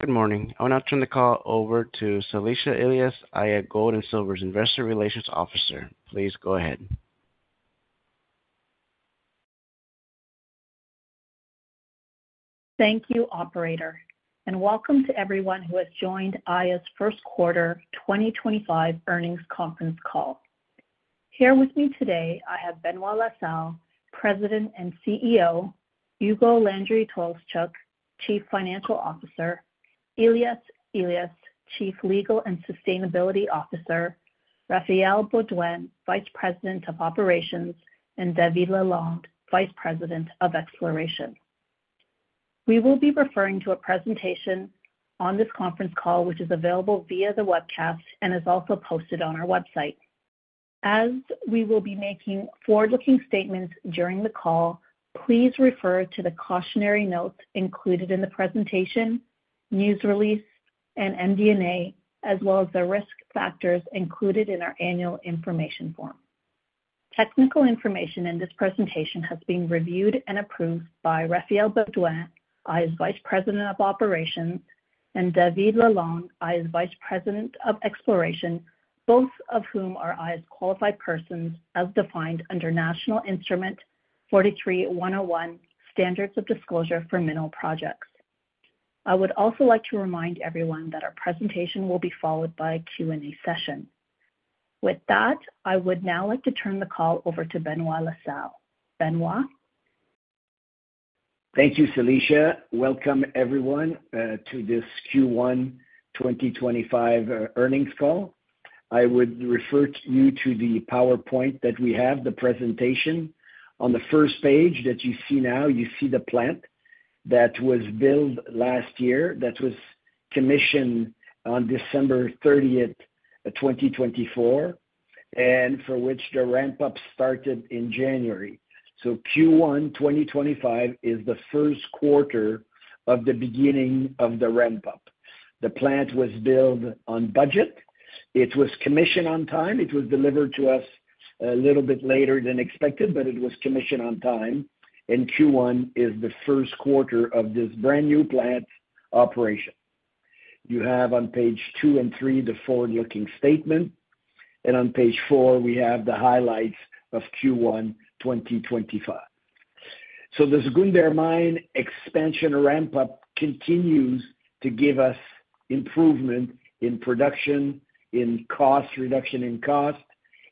Good morning. I'm going to turn the call over to Salisha Ilyas, Aya Gold & Silver's Investor Relations Officer. Please go ahead. Thank you, operator. Welcome to everyone who has joined Aya's First Quarter 2025 Earnings Conference call. Here with me today, I have Benoit La Salle, President and CEO; Ugo Landry-Tolszczuk, Chief Financial Officer; Ilyas Ilyas, Chief Legal and Sustainability Officer; Raphaël Beaudoin, Vice President of Operations; and David Lalonde, Vice President of Exploration. We will be referring to a presentation on this conference call, which is available via the webcast and is also posted on our website. As we will be making forward-looking statements during the call, please refer to the cautionary notes included in the presentation, news release, and MD&A, as well as the risk factors included in our annual information form. Technical information in this presentation has been reviewed and approved by Raphaël Beaudoin, Aya's Vice President of Operations, and David Lalonde, Aya's Vice President of Exploration, both of whom are Aya's qualified persons as defined under National Instrument 43-101, Standards of Disclosure for Mineral Projects. I would also like to remind everyone that our presentation will be followed by a Q&A session. With that, I would now like to turn the call over to Benoit La Salle. Benoit? Thank you, Salisha. Welcome, everyone, to this Q1 2025 earnings call. I would refer you to the PowerPoint that we have, the presentation. On the first page that you see now, you see the plant that was built last year, that was commissioned on December 30th, 2024, and for which the ramp-up started in January. Q1 2025 is the first quarter of the beginning of the ramp-up. The plant was built on budget. It was commissioned on time. It was delivered to us a little bit later than expected, but it was commissioned on time. Q1 is the first quarter of this brand new plant operation. You have on page two and three the forward-looking statement. On page four, we have the highlights of Q1 2025. The Zgounder mine expansion ramp-up continues to give us improvement in production, in cost, reduction in cost.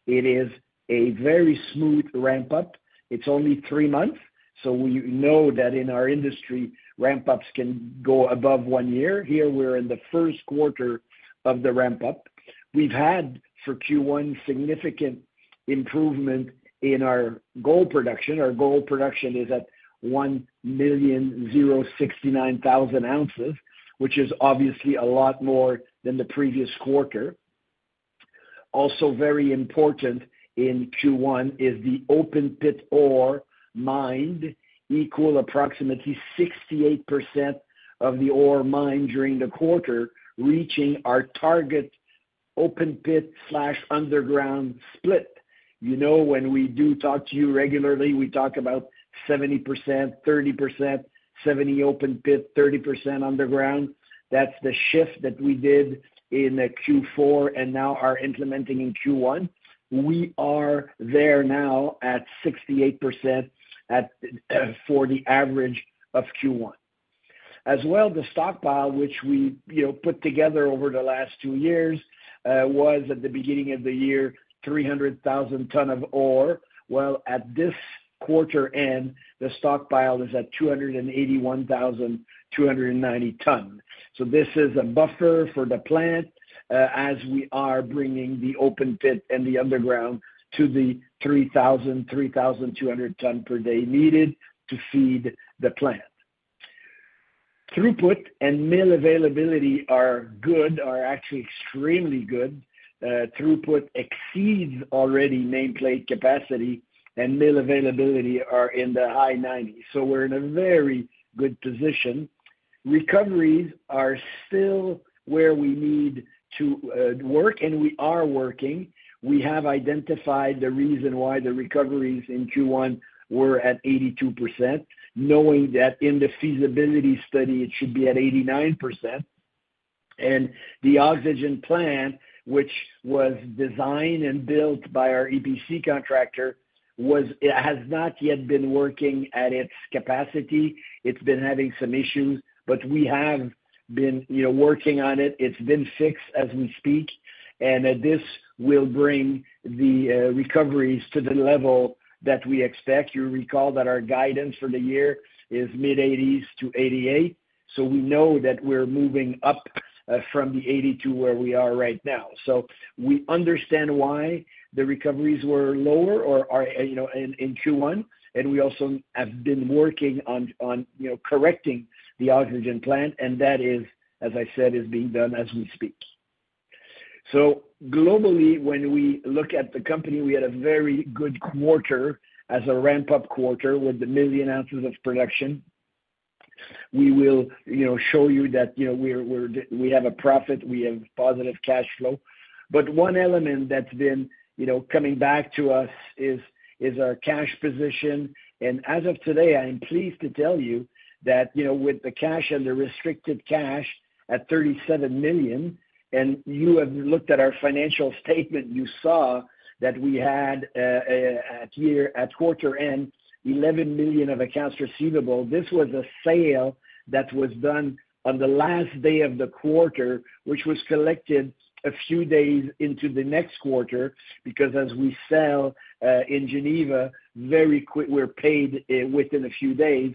It is a very smooth ramp-up. It's only three months. We know that in our industry, ramp-ups can go above one year. Here, we're in the first quarter of the ramp-up. We've had, for Q1, significant improvement in our gold production. Our gold production is at 1,069,000 ounces, which is obviously a lot more than the previous quarter. Also very important in Q1 is the open-pit ore mined equal approximately 68% of the ore mined during the quarter, reaching our target open-pit/underground split. You know when we do talk to you regularly, we talk about 70%, 30%, 70% open-pit, 30% underground. That's the shift that we did in Q4 and now are implementing in Q1. We are there now at 68% for the average of Q1. As well, the stockpile, which we put together over the last two years, was at the beginning of the year 300,000 tons of ore. At this quarter end, the stockpile is at 281,290 tons. This is a buffer for the plant as we are bringing the open-pit and the underground to the 3,000 tons-3,200 tons per day needed to feed the plant. Throughput and mill availability are good, are actually extremely good. Throughput exceeds already nameplate capacity, and mill availability is in the high 90s. We are in a very good position. Recoveries are still where we need to work, and we are working. We have identified the reason why the recoveries in Q1 were at 82%, knowing that in the feasibility study, it should be at 89%. The oxygen plant, which was designed and built by our EPC contractor, has not yet been working at its capacity. It has been having some issues, but we have been working on it. It is being fixed as we speak. This will bring the recoveries to the level that we expect. You recall that our guidance for the year is mid-80s to 88%. We know that we are moving up from the 80% to where we are right now. We understand why the recoveries were lower in Q1. We also have been working on correcting the oxygen plant. That is, as I said, being done as we speak. Globally, when we look at the company, we had a very good quarter as a ramp-up quarter with the million ounces of production. We will show you that we have a profit, we have positive cash flow. One element that's been coming back to us is our cash position. As of today, I am pleased to tell you that with the cash and the restricted cash at $37 million, and you have looked at our financial statement, you saw that we had at quarter end $11 million of accounts receivable. This was a sale that was done on the last day of the quarter, which was collected a few days into the next quarter because as we sell in Geneva, very quick, we're paid within a few days.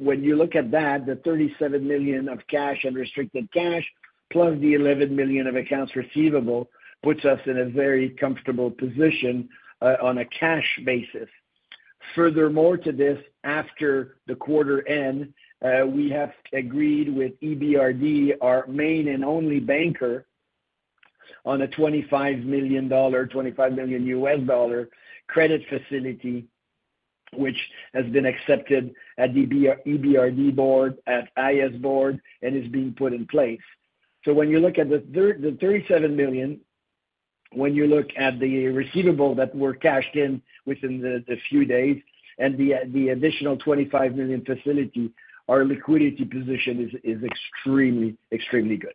When you look at that, the $37 million of cash and restricted cash, plus the $11 million of accounts receivable, puts us in a very comfortable position on a cash basis. Furthermore to this, after the quarter end, we have agreed with EBRD, our main and only banker, on a $25 million US dollar credit facility, which has been accepted at EBRD Board, at IS Board, and is being put in place. When you look at the $37 million, when you look at the receivable that were cashed in within the few days and the additional $25 million facility, our liquidity position is extremely, extremely good.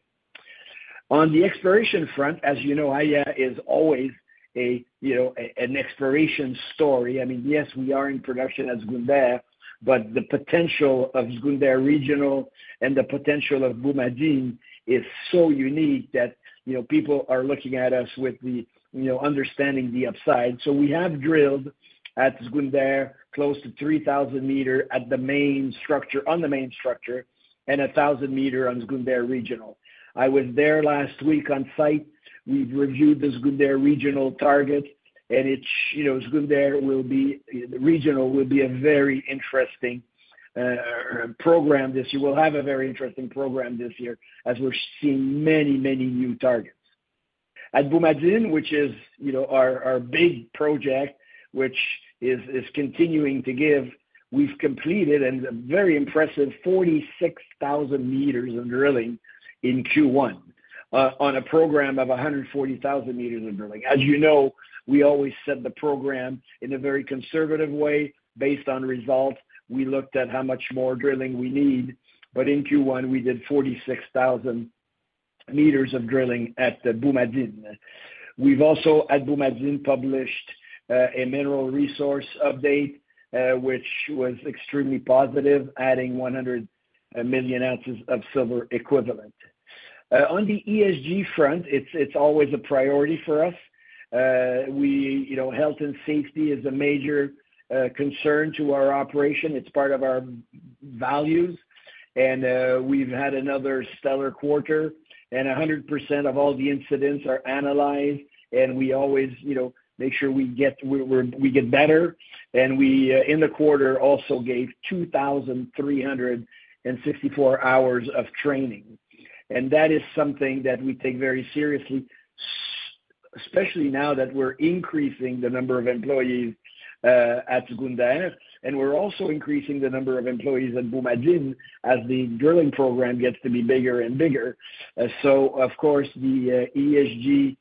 On the exploration front, as you know, Aya is always an exploration story. I mean, yes, we are in production at Zgounder, but the potential of Zgounder Regional and the potential of Boumadine is so unique that people are looking at us with the understanding of the upside. We have drilled at Zgounder close to 3,000 m at the main structure, on the main structure, and 1,000 m on Zgounder Regional. I was there last week on site. We've reviewed the Zgounder Regional target, and Zgounder Regional will be a very interesting program this year. We'll have a very interesting program this year as we're seeing many, many new targets. At Boumadine, which is our big project, which is continuing to give, we've completed a very impressive 46,000 m of drilling in Q1 on a program of 140,000 m of drilling. As you know, we always set the program in a very conservative way based on results. We looked at how much more drilling we need. In Q1, we did 46,000 m of drilling at Boumadine. We've also at Boumadine published a mineral resource update, which was extremely positive, adding 100 million ounces of silver equivalent. On the ESG front, it's always a priority for us. Health and safety is a major concern to our operation. It's part of our values. We've had another stellar quarter, and 100% of all the incidents are analyzed. We always make sure we get better. We in the quarter also gave 2,364 hours of training. That is something that we take very seriously, especially now that we're increasing the number of employees at Zgounder. We're also increasing the number of employees at Boumadine as the drilling program gets to be bigger and bigger. Of course, the ESG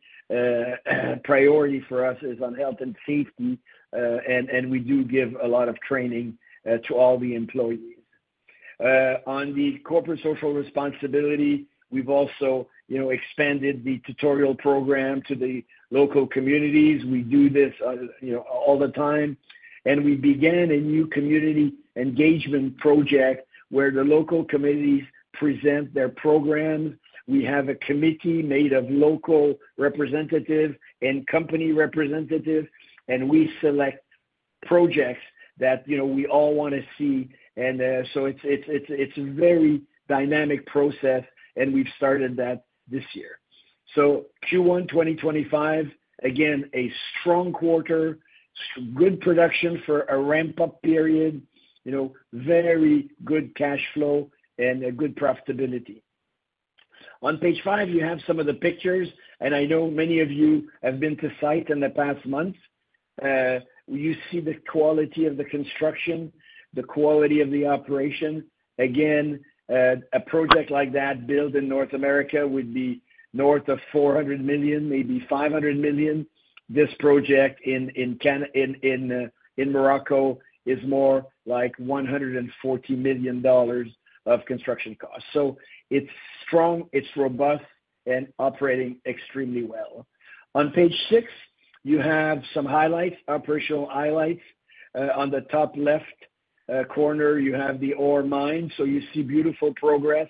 priority for us is on health and safety, and we do give a lot of training to all the employees. On the corporate social responsibility, we've also expanded the tutorial program to the local communities. We do this all the time. We began a new community engagement project where the local communities present their programs. We have a committee made of local representatives and company representatives, and we select projects that we all want to see. It is a very dynamic process, and we've started that this year. Q1 2025, again, a strong quarter, good production for a ramp-up period, very good cash flow, and good profitability. On page five, you have some of the pictures, and I know many of you have been to site in the past months. You see the quality of the construction, the quality of the operation. A project like that built in North America would be north of $400 million, maybe $500 million. This project in Morocco is more like $140 million of construction costs. It is strong, it is robust, and operating extremely well. On page six, you have some highlights, operational highlights. On the top left corner, you have the ore mine. You see beautiful progress.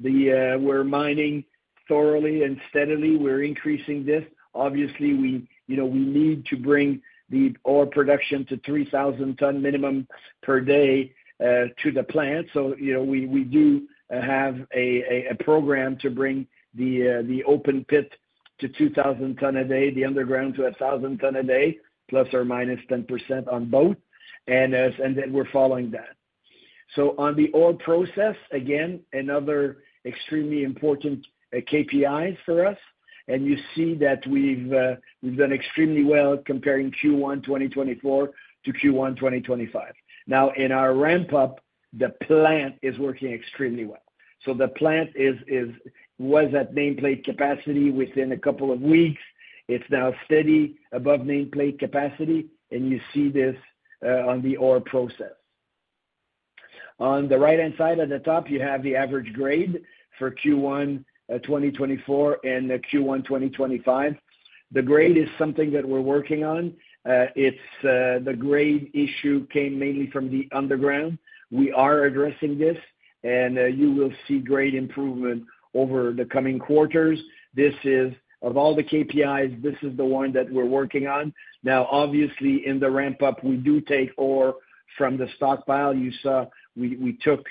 We're mining thoroughly and steadily. We're increasing this. Obviously, we need to bring the ore production to 3,000 ton minimum per day to the plant. We do have a program to bring the open pit to 2,000 ton a day, the underground to 1,000 ton a day, plus or minus 10% on both. We're following that. On the ore process, again, another extremely important KPI for us. You see that we've done extremely well comparing Q1 2024 to Q1 2025. In our ramp-up, the plant is working extremely well. The plant was at nameplate capacity within a couple of weeks. It's now steady above nameplate capacity. You see this on the ore process. On the right-hand side at the top, you have the average grade for Q1 2024 and Q1 2025. The grade is something that we're working on. The grade issue came mainly from the underground. We are addressing this, and you will see grade improvement over the coming quarters. Of all the KPIs, this is the one that we're working on. Now, obviously, in the ramp-up, we do take ore from the stockpile. You saw we took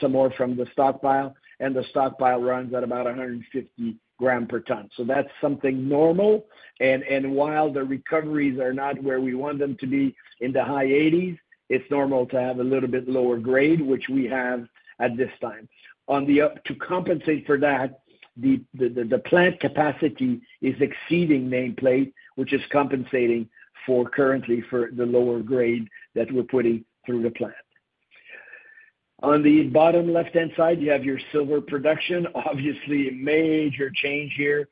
some ore from the stockpile. The stockpile runs at about 150 g per ton. That is something normal. While the recoveries are not where we want them to be in the high 80%, it is normal to have a little bit lower grade, which we have at this time. To compensate for that, the plant capacity is exceeding nameplate, which is compensating currently for the lower grade that we're putting through the plant. On the bottom left-hand side, you have your silver production. Obviously, a major change here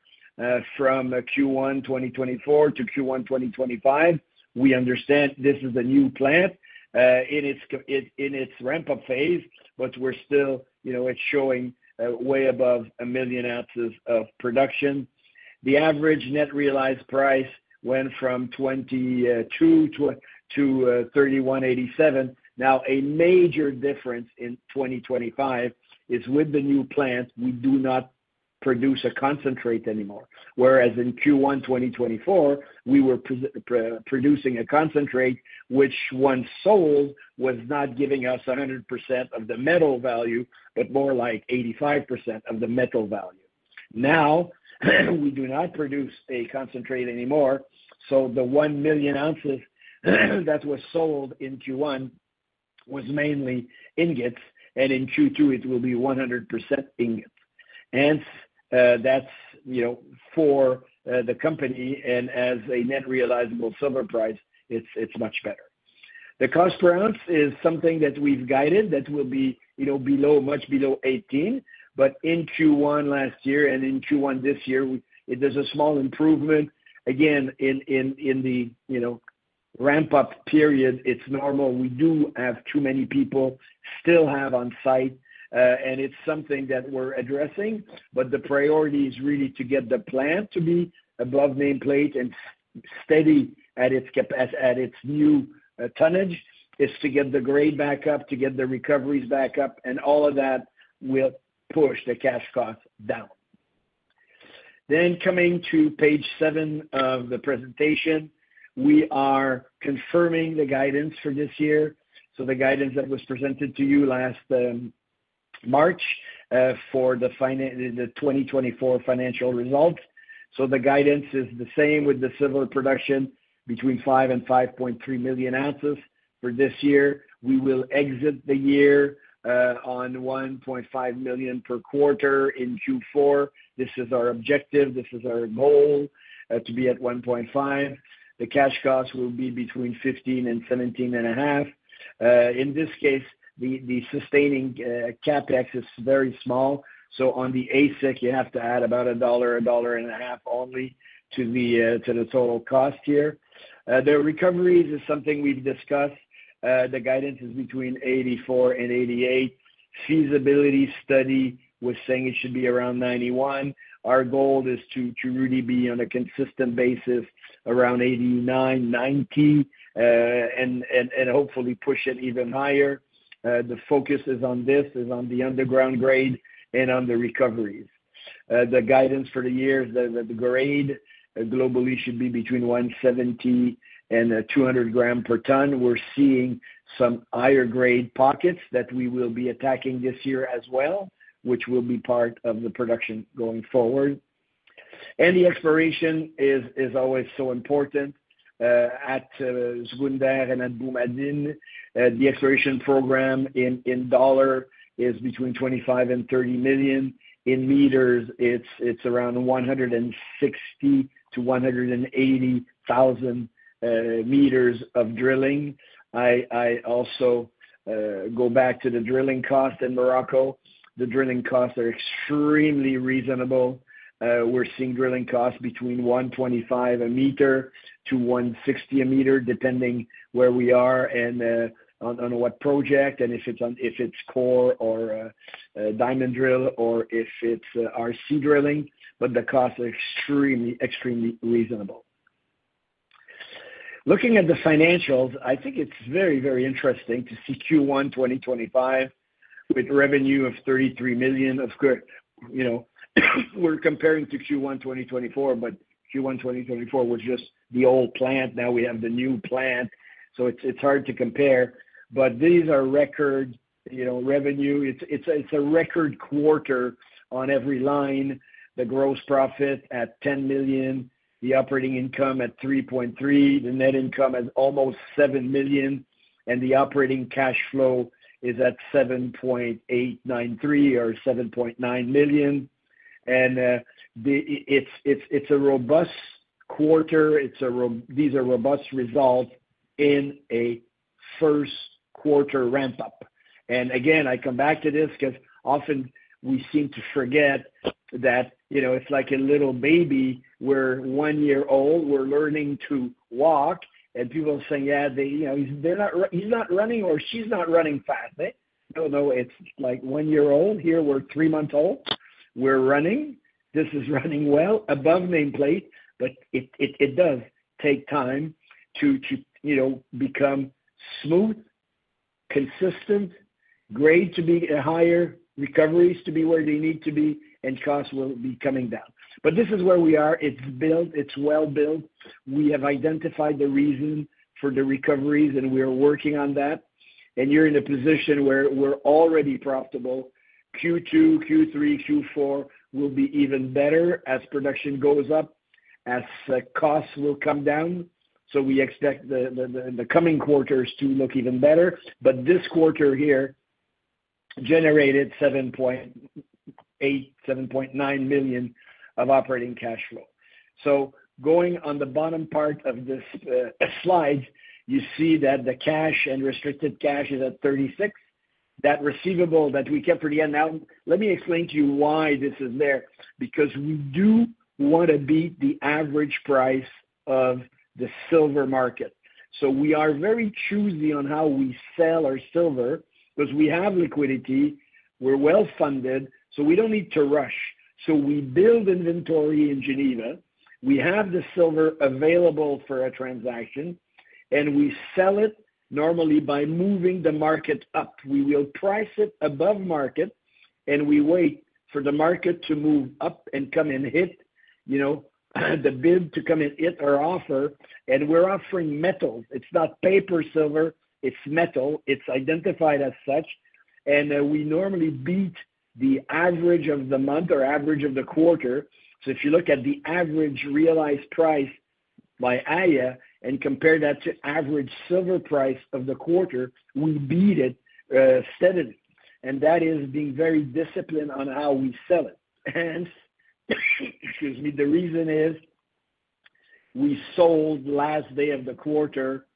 from Q1 2024 to Q1 2025. We understand this is a new plant in its ramp-up phase, but we're still showing way above a million ounces of production. The average net realized price went from $22 to $31.87. Now, a major difference in 2025 is with the new plant, we do not produce a concentrate anymore. Whereas in Q1 2024, we were producing a concentrate, which when sold was not giving us 100% of the metal value, but more like 85% of the metal value. Now, we do not produce a concentrate anymore. So the one million ounces that was sold in Q1 was mainly ingots. In Q2, it will be 100% ingots. Hence, that's for the company. As a net realizable silver price, it's much better. The cost per ounce is something that we've guided that will be much below $18. In Q1 last year and in Q1 this year, there's a small improvement. Again, in the ramp-up period, it's normal. We do have too many people still on site. It's something that we're addressing. The priority is really to get the plant to be above nameplate and steady at its new tonnage, to get the grade back up, to get the recoveries back up. All of that will push the cash cost down. Coming to page seven of the presentation, we are confirming the guidance for this year. The guidance that was presented to you last March for the 2024 financial results, so the guidance is the same, with the silver production between 5 million and 5.3 million ounces for this year. We will exit the year on 1.5 million per quarter in Q4. This is our objective. This is our goal to be at 1.5. The cash cost will be between $15 and $17.5. In this case, the sustaining CaPex is very small. So on the AISC, you have to add about $1, $1.5 only to the total cost here. The recoveries is something we've discussed. The guidance is between 84% and 88%. Feasibility study was saying it should be around 91%. Our goal is to really be on a consistent basis around 89%, 90%, and hopefully push it even higher. The focus on this is on the underground grade and on the recoveries. The guidance for the year is that the grade globally should be between 170 and 200 g per ton. We're seeing some higher grade pockets that we will be attacking this year as well, which will be part of the production going forward. The exploration is always so important. At Zgounder and at Boumadine, the exploration program in dollars is between $25 million and $30 million. In m, it's around 160,000 m-180,000 m of drilling. I also go back to the drilling cost in Morocco. The drilling costs are extremely reasonable. We're seeing drilling costs between $125 a meter to $160 a meter, depending where we are and on what project and if it's core or diamond drill or if it's RC drilling. The costs are extremely reasonable. Looking at the financials, I think it's very, very interesting to see Q1 2025 with revenue of $33 million. Of course, we're comparing to Q1 2024, but Q1 2024 was just the old plant. Now we have the new plant. It's hard to compare. These are record revenue. It's a record quarter on every line. The gross profit at $10 million, the operating income at $3.3 million, the net income at almost $7 million, and the operating cash flow is at $7.893 million or $7.9 million. It is a robust quarter. These are robust results in a first quarter ramp-up. Again, I come back to this because often we seem to forget that it is like a little baby where one year old, we are learning to walk. People are saying, "Yeah, he is not running or she is not running fast." No, no, it is like one year old here. We are three months old. We are running. This is running well above nameplate. It does take time to become smooth, consistent, grade to be higher, recoveries to be where they need to be, and costs will be coming down. This is where we are. It is well built. We have identified the reason for the recoveries, and we are working on that. You're in a position where we're already profitable. Q2, Q3, Q4 will be even better as production goes up, as costs will come down. We expect the coming quarters to look even better. This quarter here generated $7.8 million-$7.9 million of operating cash flow. Going on the bottom part of this slide, you see that the cash and restricted cash is at $36 million. That receivable that we kept for the end. Now, let me explain to you why this is there. We do want to beat the average price of the silver market. We are very choosy on how we sell our silver because we have liquidity. We're well- funded. We don't need to rush. We build inventory in Geneva. We have the silver available for a transaction, and we sell it normally by moving the market up. We will price it above market, and we wait for the market to move up and come and hit the bid to come and hit our offer. We are offering metal. It is not paper silver. It is metal. It is identified as such. We normally beat the average of the month or average of the quarter. If you look at the average realized price by Aya and compare that to average silver price of the quarter, we beat it steadily. That is being very disciplined on how we sell it. Hence, excuse me, the reason is we sold last day of the quarter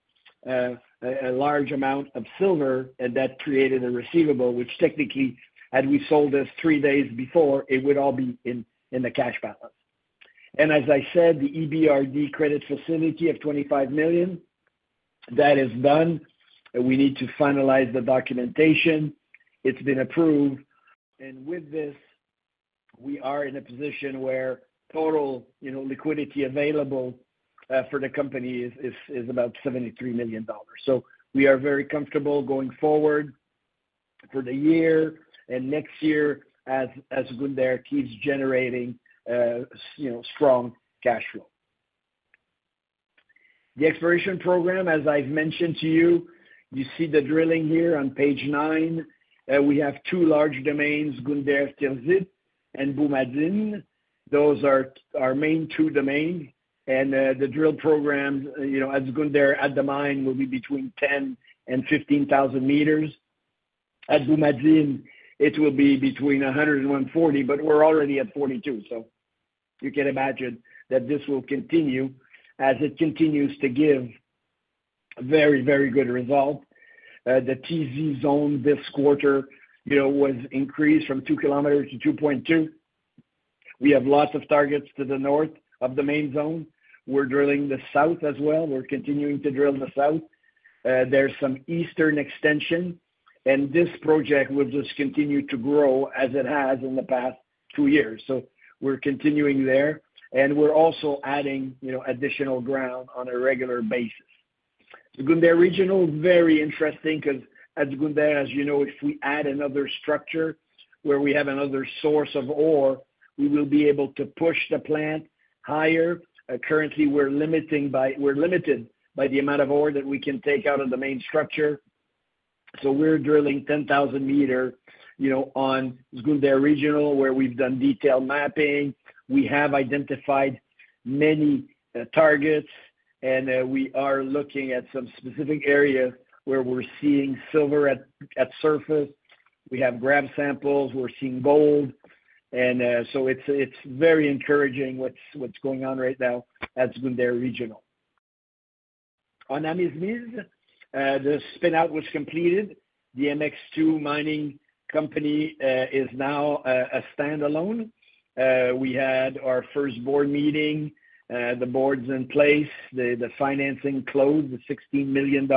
a large amount of silver, and that created a receivable, which technically, had we sold this three days before, it would all be in the cash balance. As I said, the EBRD credit facility of $25 million, that is done. We need to finalize the documentation. It's been approved. With this, we are in a position where total liquidity available for the company is about $73 million. We are very comfortable going forward for the year and next year as Zgounder keeps generating strong cash flow. The exploration program, as I've mentioned to you, you see the drilling here on page nine. We have two large domains, Zgounder-[Tolscyth] and Boumadine. Those are our main two domains. The drill program at Zgounder at the mine will be between 10,000 m and 15,000 m. At Boumadine, it will be between 100,000 and 140,000, but we're already at 42,000. You can imagine that this will continue as it continues to give very, very good results. The TZ zone this quarter was increased from 2 km to 2.2 km. We have lots of targets to the north of the main zone. We're drilling the south as well. We're continuing to drill the south. There's some eastern extension. This project will just continue to grow as it has in the past two years. We're continuing there. We're also adding additional ground on a regular basis. Zgounder Regional is very interesting because at Zgounder, as you know, if we add another structure where we have another source of ore, we will be able to push the plant higher. Currently, we're limited by the amount of ore that we can take out of the main structure. We're drilling 10,000 m on Zgounder Regional where we've done detailed mapping. We have identified many targets, and we are looking at some specific areas where we're seeing silver at surface. We have grab samples. We're seeing gold. It is very encouraging what's going on right now at Zgounder Regional. On Amizmiz, the spinout was completed. The MX2 Mining Company is now a standalone. We had our first board meeting. The board's in place. The financing closed the $16 million.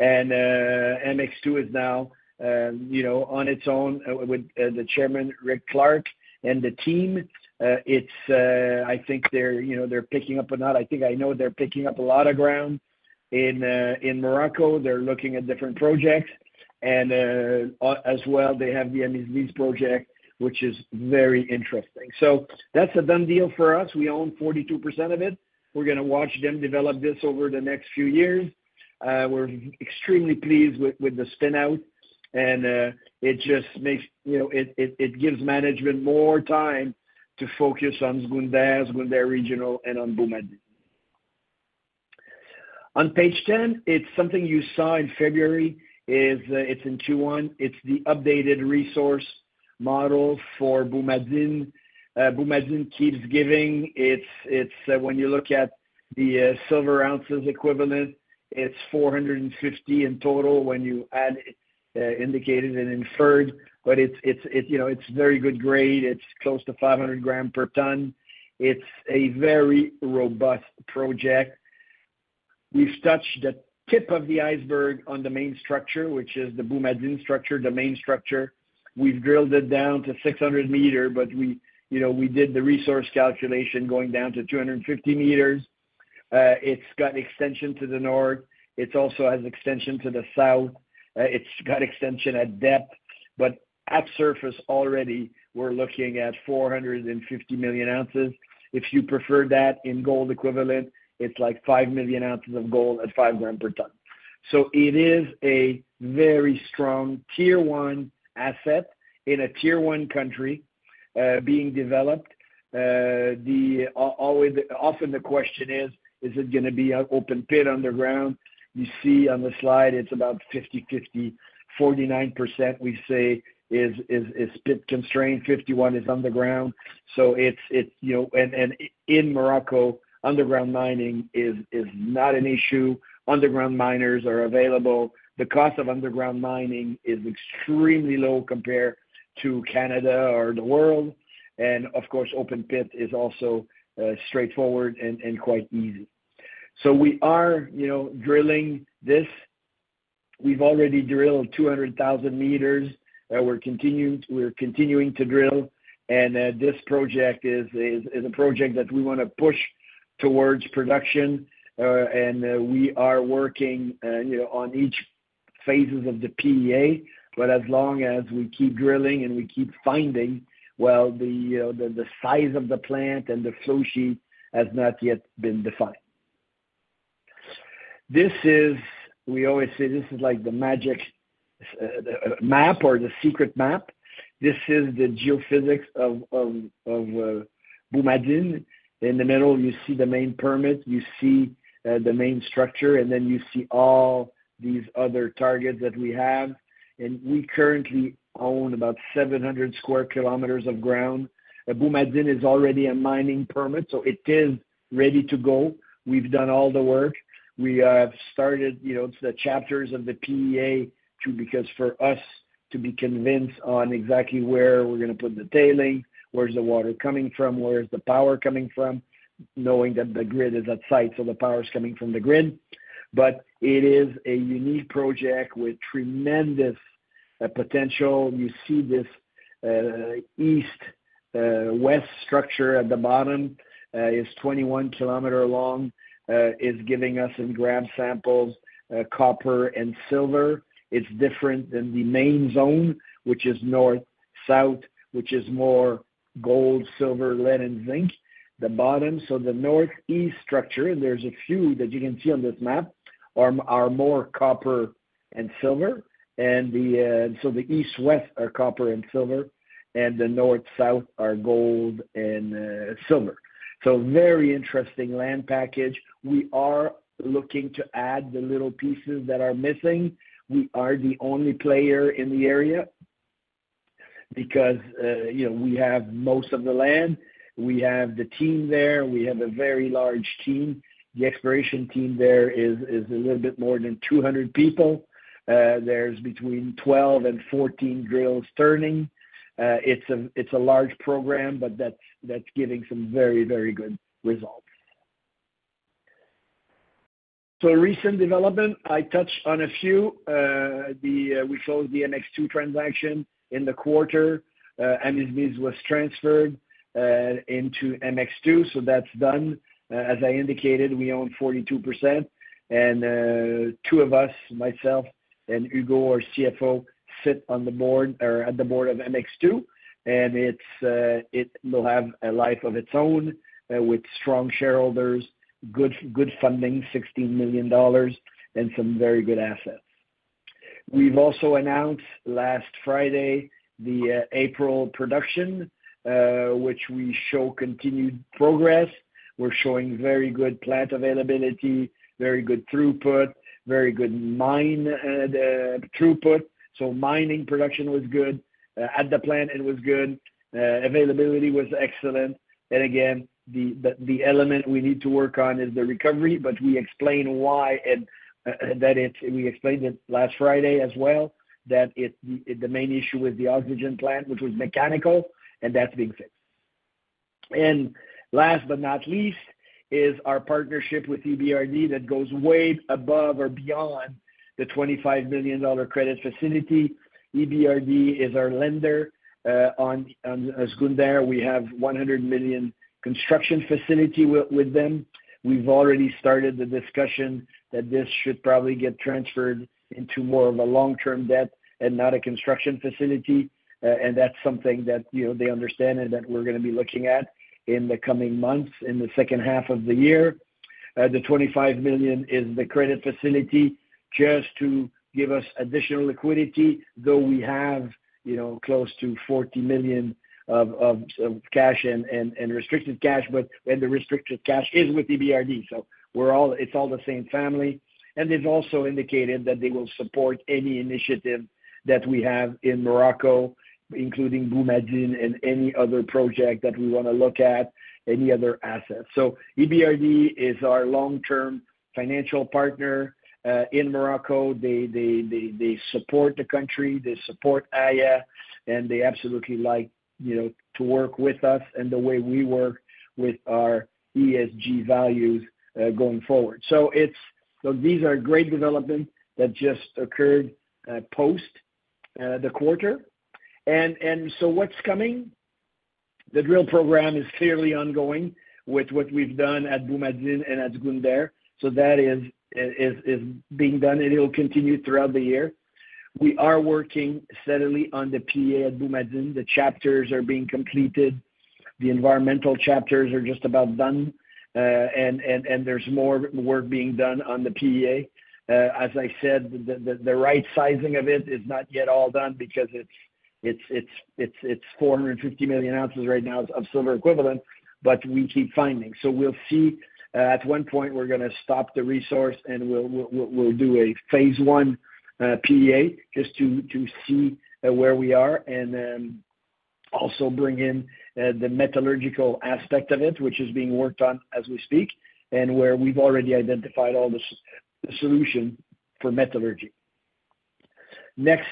MX2 is now on its own with the Chairman, Rick Clark, and the team. I think they're picking up a lot. I think I know they're picking up a lot of ground in Morocco. They're looking at different projects. They have the Amizmiz project, which is very interesting. That is a done deal for us. We own 42% of it. We're going to watch them develop this over the next few years. We're extremely pleased with the spinout. It just makes it gives management more time to focus on Zgounder, Zgounder Regional, and on Boumadine. On page 10, it's something you saw in February. It's in Q1. It's the updated resource model for Boumadine. Boumadine keeps giving. When you look at the silver ounces equivalent, it's 450 in total when you add indicated and inferred. It's very good grade. It's close to 500 g per ton. It's a very robust project. We've touched the tip of the iceberg on the main structure, which is the Boumadine structure, the main structure. We've drilled it down to 600 m,, but we did the resource calculation going down to 250 m. It's got extension to the north. It also has extension to the south. It's got extension at depth. At surface, already, we're looking at 450 million ounces. If you prefer that in gold equivalent, it's like 5 million ounces of gold at 5 g per ton. It is a very strong tier one asset in a tier one country being developed. Often the question is, is it going to be an open pit underground? You see on the slide, it's about 50/50. 49% we say is pit constrained. 51% is underground. In Morocco, underground mining is not an issue. Underground miners are available. The cost of underground mining is extremely low compared to Canada or the world. Of course, open pit is also straightforward and quite easy. We are drilling this. We've already drilled 200,000 m.. We're continuing to drill. This project is a project that we want to push towards production. We are working on each phases of the PEA. As long as we keep drilling and we keep finding, well, the size of the plant and the flow sheet has not yet been defined. We always say this is like the magic map or the secret map. This is the geophysics of Boumadine. In the middle, you see the main permit. You see the main structure. And then you see all these other targets that we have. We currently own about 700 sq km of ground. Boumadine is already a mining permit, so it is ready to go. We've done all the work. We have started the chapters of the PEA because for us to be convinced on exactly where we're going to put the tailing, where's the water coming from, where's the power coming from, knowing that the grid is at site, so the power is coming from the grid. It is a unique project with tremendous potential. You see this east-west structure at the bottom is 21 km long, is giving us some grab samples, copper and silver. It is different than the main zone, which is north-south, which is more gold, silver, lead, and zinc, the bottom. The northeast structure, there are a few that you can see on this map, are more copper and silver. The east-west are copper and silver, and the north-south are gold and silver. Very interesting land package. We are looking to add the little pieces that are missing. We are the only player in the area because we have most of the land. We have the team there. We have a very large team. The exploration team there is a little bit more than 200 people. There are between 12-14 drills turning. It's a large program, but that's giving some very, very good results. Recent development, I touched on a few. We closed the MX2 transaction in the quarter. Amizmiz was transferred into MX2. That's done. As I indicated, we own 42%. Two of us, myself and Ugo, our CFO, sit on the board of MX2. It will have a life of its own with strong shareholders, good funding, $16 million, and some very good assets. We've also announced last Friday the April production, which shows continued progress. We're showing very good plant availability, very good throughput, very good mine throughput. Mining production was good. At the plant, it was good. Availability was excellent. The element we need to work on is the recovery, but we explain why. We explained it last Friday as well, that the main issue with the oxygen plant, which was mechanical, and that's being fixed. Last but not least is our partnership with EBRD that goes way above or beyond the $25 million credit facility. EBRD is our lender on Zgounder. We have a $100 million construction facility with them. We've already started the discussion that this should probably get transferred into more of a long-term debt and not a construction facility. That's something that they understand and that we're going to be looking at in the coming months, in the second half of the year. The $25 million is the credit facility just to give us additional liquidity, though we have close to $40 million of cash and restricted cash. The restricted cash is with EBRD. It's all the same family. They have also indicated that they will support any initiative that we have in Morocco, including Boumadine and any other project that we want to look at, any other assets. EBRD is our long-term financial partner in Morocco. They support the country. They support Aya, and they absolutely like to work with us and the way we work with our ESG values going forward. These are great developments that just occurred post the quarter. What is coming? The drill program is clearly ongoing with what we have done at Boumadine and at Zgounder. That is being done, and it will continue throughout the year. We are working steadily on the PEA at Boumadine. The chapters are being completed. The environmental chapters are just about done. There is more work being done on the PEA. As I said, the right sizing of it is not yet all done because it is 450 million ounces right now of silver equivalent, but we keep finding. We will see. At one point, we are going to stop the resource, and we will do a phase I PEA just to see where we are and also bring in the metallurgical aspect of it, which is being worked on as we speak, and where we have already identified all the solutions for metallurgy. Next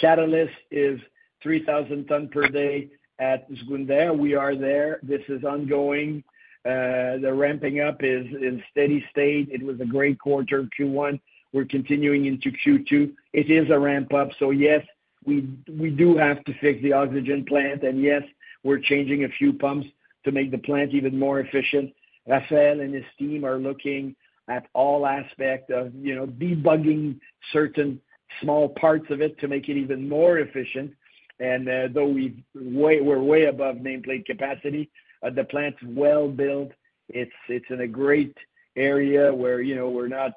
catalyst is 3,000 ton per day at Zgounder. We are there. This is ongoing. The ramping up is in steady state. It was a great quarter, Q1. We are continuing into Q2. It is a ramp up. Yes, we do have to fix the oxygen plant. Yes, we are changing a few pumps to make the plant even more efficient. Raphaël and his team are looking at all aspects of debugging certain small parts of it to make it even more efficient. Though we're way above nameplate capacity, the plant's well built. It's in a great area where we're not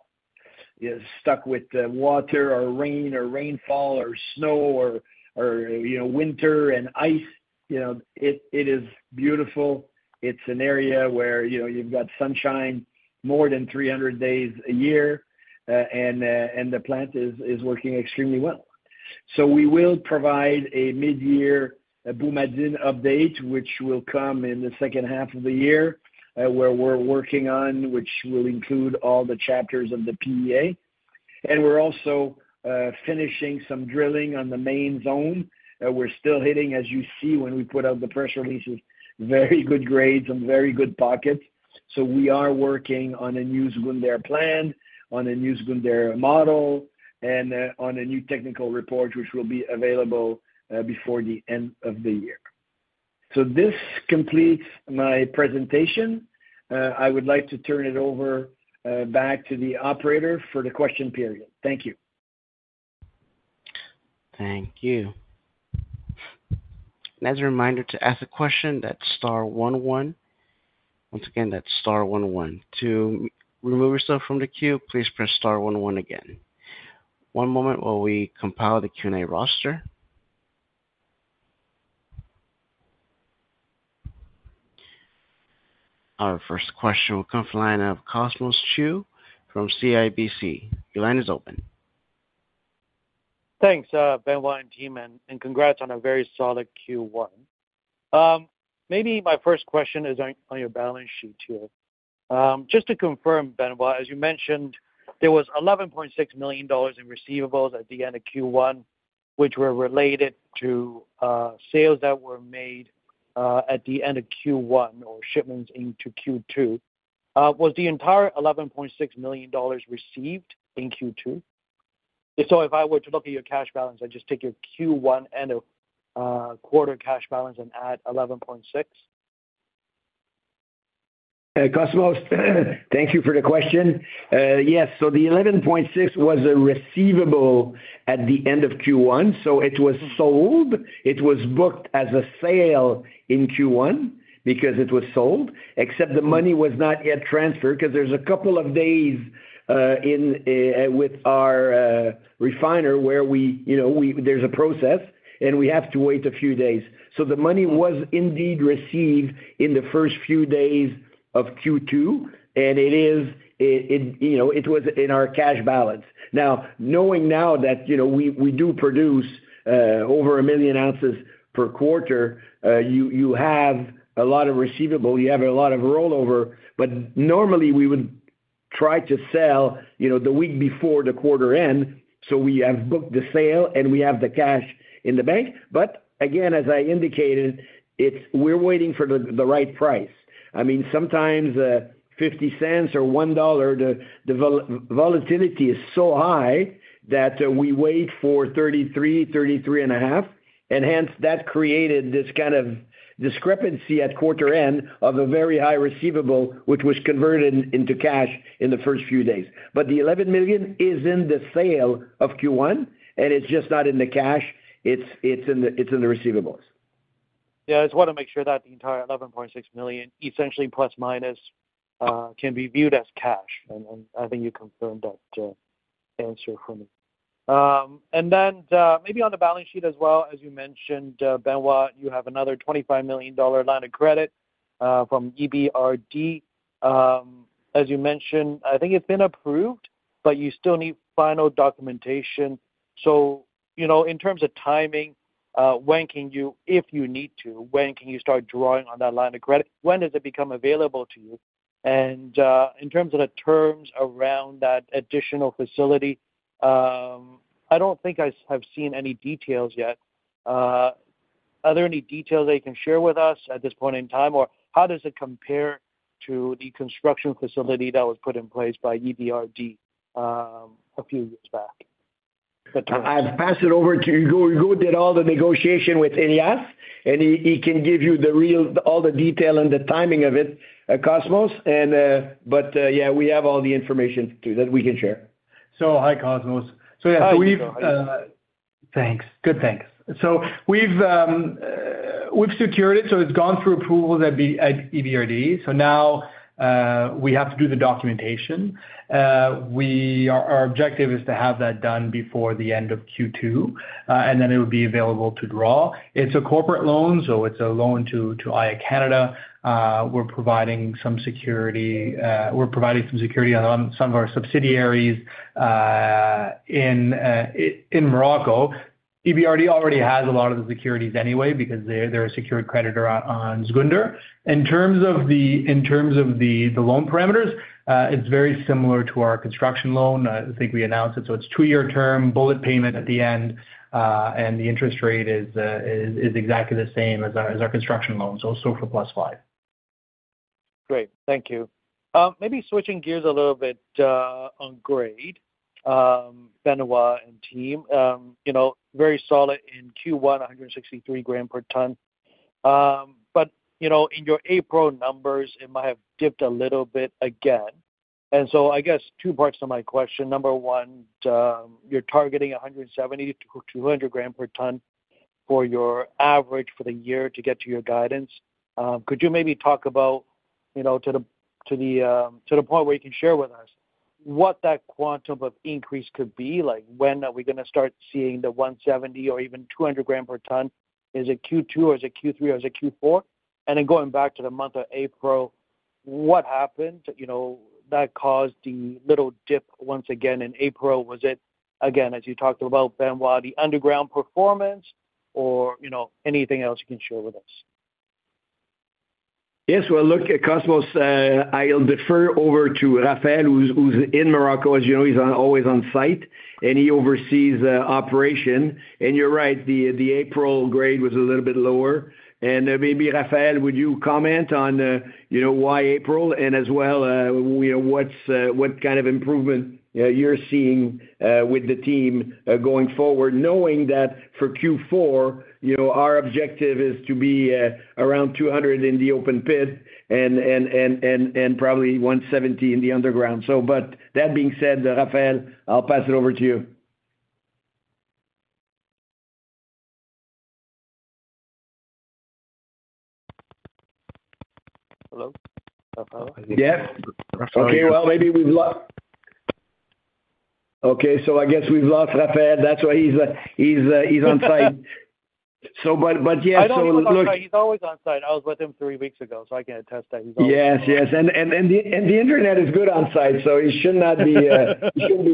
stuck with water or rain or rainfall or snow or winter and ice. It is beautiful. It's an area where you've got sunshine more than 300 days a year. The plant is working extremely well. We will provide a mid-year Boumadine update, which will come in the second half of the year, where we're working on, which will include all the chapters of the PEA. We're also finishing some drilling on the main zone. We're still hitting, as you see, when we put out the press releases, very good grades and very good pockets. We are working on a new Zgounder plan, on a new Zgounder model, and on a new technical report, which will be available before the end of the year. This completes my presentation. I would like to turn it over back to the operator for the question period. Thank you. Thank you. As a reminder to ask a question, that's star one one. Once again, that's star one one. To remove yourself from the queue, please press star one one again. One moment while we compile the Q&A roster. Our first question will come from the line of Cosmos Chiu from CIBC. Your line is open. Thanks, Benoit and team, and congrats on a very solid Q1. Maybe my first question is on your balance sheet here. Just to confirm, Benoit, as you mentioned, there was $11.6 million in receivables at the end of Q1, which were related to sales that were made at the end of Q1 or shipments into Q2. Was the entire $11.6 million received in Q2? If I were to look at your cash balance, I just take your Q1 end of quarter cash balance and add $11.6 million? Cosmos, thank you for the question. Yes. The $11.6 million was a receivable at the end of Q1. It was booked as a sale in Q1 because it was sold, except the money was not yet transferred because there is a couple of days with our refiner where there is a process, and we have to wait a few days. The money was indeed received in the first few days of Q2, and it was in our cash balance. Now, knowing now that we do produce over a million ounces per quarter, you have a lot of receivable. You have a lot of rollover. Normally, we would try to sell the week before the quarter end. We have booked the sale, and we have the cash in the bank. Again, as I indicated, we are waiting for the right price. I mean, sometimes $0.50 or $1, the volatility is so high that we wait for $33, $33.5. That created this kind of discrepancy at quarter end of a very high receivable, which was converted into cash in the first few days. The $11 million is in the sale of Q1, and it's just not in the cash. It's in the receivables. Yeah. I just want to make sure that the entire $11.6 million, essentially plus minus, can be viewed as cash. I think you confirmed that answer for me. Maybe on the balance sheet as well, as you mentioned, Benoit, you have another $25 million line of credit from EBRD. As you mentioned, I think it's been approved, but you still need final documentation. In terms of timing, if you need to, when can you start drawing on that line of credit? When does it become available to you? In terms of the terms around that additional facility, I don't think I have seen any details yet. Are there any details that you can share with us at this point in time? How does it compare to the construction facility that was put in place by EBRD a few years back? I've passed it over to Ugo. Ugo did all the negotiation with Ilyas, and he can give you all the detail and the timing of it, Cosmos. Yeah, we have all the information that we can share. Hi, Cosmos. Yeah, we've. Hi, Hugo. Thanks. Good, thanks. We've secured it. It's gone through approvals at EBRD. Now we have to do the documentation. Our objective is to have that done before the end of Q2, and then it would be available to draw. It's a corporate loan, so it's a loan to Aya Canada. We're providing some security on some of our subsidiaries in Morocco. EBRD already has a lot of the securities anyway because they're a secured creditor on Zgounder. In terms of the loan parameters, it's very similar to our construction loan. I think we announced it. It's a two-year term, bullet payment at the end, and the interest rate is exactly the same as our construction loan. It's SOFR plus five. Great. Thank you. Maybe switching gears a little bit on grade, Benoit and team, very solid in Q1, 163 g per ton. In your April numbers, it might have dipped a little bit again. I guess two parts to my question. Number one, you're targeting 170-200 g per ton for your average for the year to get to your guidance. Could you maybe talk about, to the point where you can share with us, what that quantum of increase could be? When are we going to start seeing the 170 g or even 200 g per ton? Is it Q2, or is it Q3, or is it Q4? Going back to the month of April, what happened that caused the little dip once again in April? Was it, again, as you talked about, Benoit, the underground performance or anything else you can share with us? Yes. Look, Cosmos, I'll defer over to Raphaël, who's in Morocco, as you know. He's always on site, and he oversees operation. You're right, the April grade was a little bit lower. Maybe, Raphaël, would you comment on why April, and as well what kind of improvement you're seeing with the team going forward, knowing that for Q4, our objective is to be around 200 in the open pit and probably 170 in the underground. That being said, Raphaël, I'll pass it over to you. Hello? Yes. Okay. Maybe we've lost. Okay. I guess we've lost Raphaël. That's why he's on site. But yeah, look. He's always on site. I was with him three weeks ago, so I can attest that he's always on site. Yes, yes. The internet is good on site, so he should not be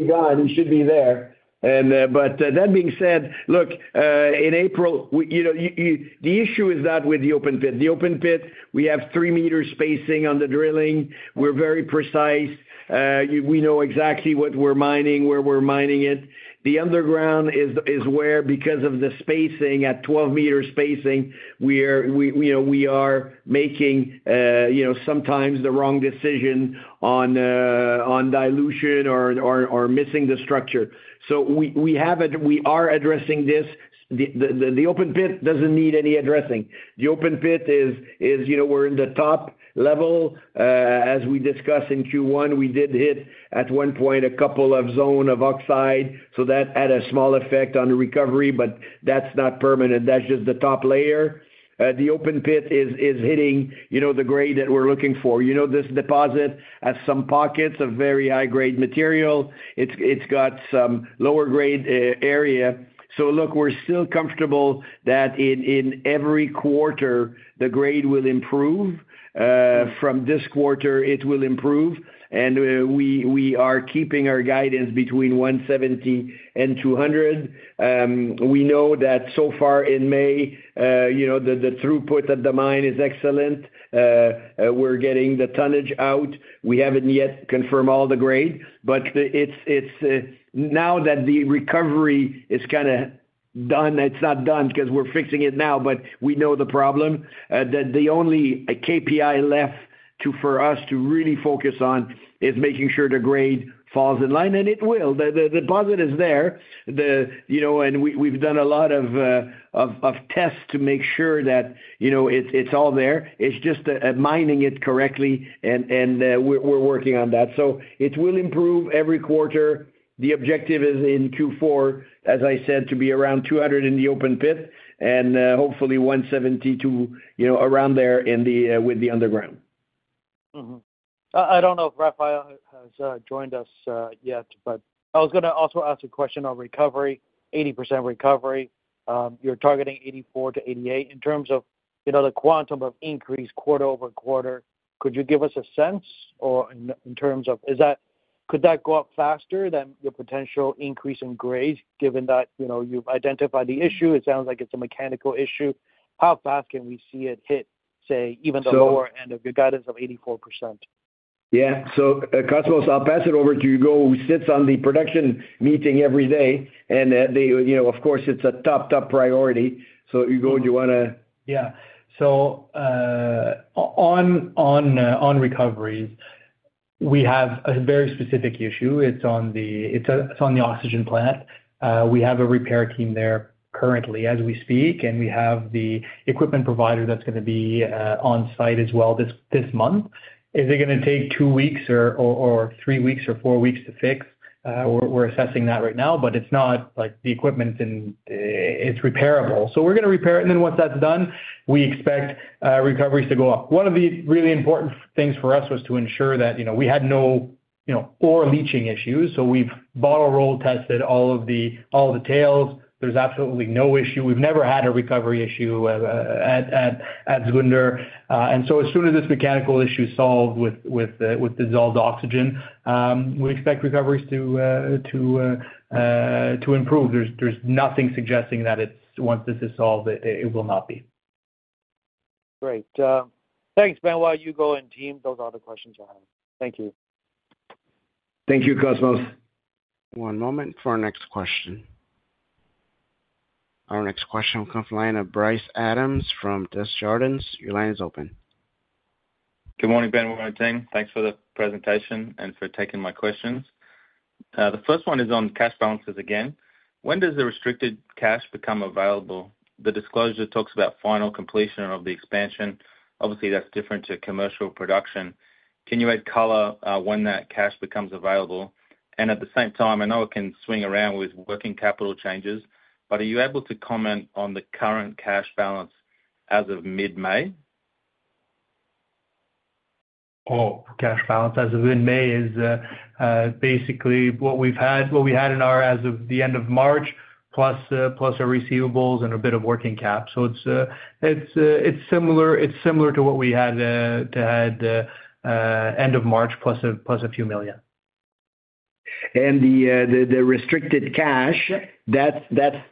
gone. He should be there. That being said, look, in April, the issue is not with the open pit. The open pit, we have 3 m spacing on the drilling. We are very precise. We know exactly what we are mining, where we are mining it. The underground is where, because of the spacing at 12 m spacing, we are making sometimes the wrong decision on dilution or missing the structure. We are addressing this. The open pit does not need any addressing. The open pit is, we are in the top level. As we discussed in Q1, we did hit at one point a couple of zones of oxide. That had a small effect on recovery, but that is not permanent. That is just the top layer. The open pit is hitting the grade that we are looking for. You know this deposit has some pockets of very high-grade material. It's got some lower-grade area. Look, we're still comfortable that in every quarter, the grade will improve. From this quarter, it will improve. We are keeping our guidance between 170 and 200. We know that so far in May, the throughput at the mine is excellent. We're getting the tonnage out. We haven't yet confirmed all the grade. Now that the recovery is kind of done, it's not done because we're fixing it now, but we know the problem, that the only KPI left for us to really focus on is making sure the grade falls in line. It will. The deposit is there. We've done a lot of tests to make sure that it's all there. It's just mining it correctly, and we're working on that. It will improve every quarter. The objective is in Q4, as I said, to be around 200 in the open pit and hopefully 170 to around there with the underground. I don't know if Raphaël has joined us yet, but I was going to also ask a question on recovery, 80% recovery. You're targeting 84%-88%. In terms of the quantum of increase quarter over quarter, could you give us a sense in terms of could that go up faster than your potential increase in grade given that you've identified the issue? It sounds like it's a mechanical issue. How fast can we see it hit, say, even the lower end of your guidance of 84%? Yeah. So Cosmos, I'll pass it over to Ugo, who sits on the production meeting every day. And of course, it's a top, top priority. So Ugo, do you want to? Yeah. So on recoveries, we have a very specific issue. It is on the oxygen plant. We have a repair team there currently as we speak, and we have the equipment provider that is going to be on site as well this month. Is it going to take two weeks or three weeks or four weeks to fix? We are assessing that right now, but it is not like the equipment, it is repairable. So we are going to repair it. Once that is done, we expect recoveries to go up. One of the really important things for us was to ensure that we had no ore leaching issues. We have bottle roll tested all of the tails. There is absolutely no issue. We have never had a recovery issue at Zgounder. As soon as this mechanical issue is solved with dissolved oxygen, we expect recoveries to improve. There's nothing suggesting that once this is solved, it will not be. Great. Thanks, Benoit, Ugo, and team. Those are all the questions I have. Thank you. Thank you, Cosmos. One moment for our next question. Our next question will come from the line of Bryce Adams from Desjardins. Your line is open. Good morning, Benoit and team. Thanks for the presentation and for taking my questions. The first one is on cash balances again. When does the restricted cash become available? The disclosure talks about final completion of the expansion. Obviously, that's different to commercial production. Can you add color when that cash becomes available? At the same time, I know it can swing around with working capital changes, but are you able to comment on the current cash balance as of mid-May? Oh, cash balance as of mid-May is basically what we've had in our as of the end of March plus our receivables and a bit of working cap. It is similar to what we had at end of March plus a few million. The restricted cash, that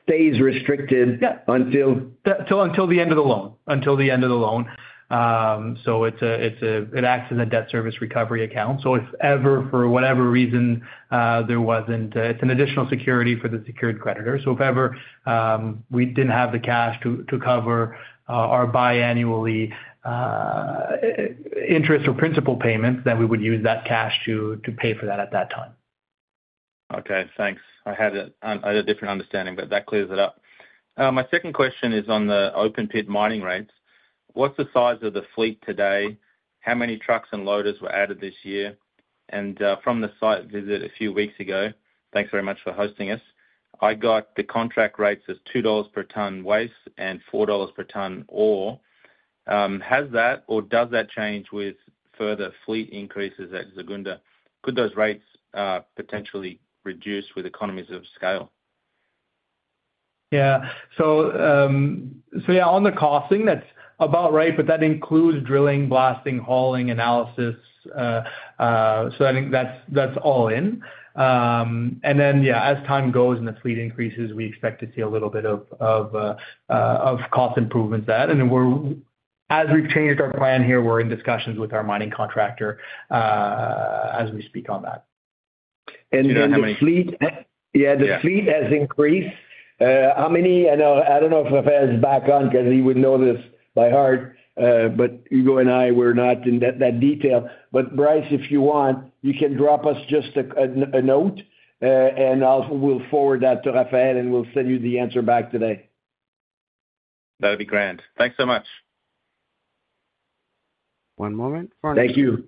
stays restricted until? Until the end of the loan. So it acts as a debt service recovery account. If ever, for whatever reason, there wasn't, it's an additional security for the secured creditor. If ever we didn't have the cash to cover our biannual interest or principal payments, then we would use that cash to pay for that at that time. Okay. Thanks. I had a different understanding, but that clears it up. My second question is on the open pit mining rates. What's the size of the fleet today? How many trucks and loaders were added this year? From the site visit a few weeks ago, thanks very much for hosting us, I got the contract rates as $2 per ton waste and $4 per ton ore. Has that or does that change with further fleet increases at Zgounder? Could those rates potentially reduce with economies of scale? Yeah. Yeah, on the costing, that's about right, but that includes drilling, blasting, hauling, analysis. I think that's all in. As time goes and the fleet increases, we expect to see a little bit of cost improvements there. As we've changed our plan here, we're in discussions with our mining contractor as we speak on that. The fleet has increased. How many? I do not know if Raphaël is back on because he would know this by heart, but Ugo and I were not in that detail. Bryce, if you want, you can drop us just a note, and we will forward that to Raphaël, and we will send you the answer back today. That would be grand. Thanks so much. One moment for our next. Thank you.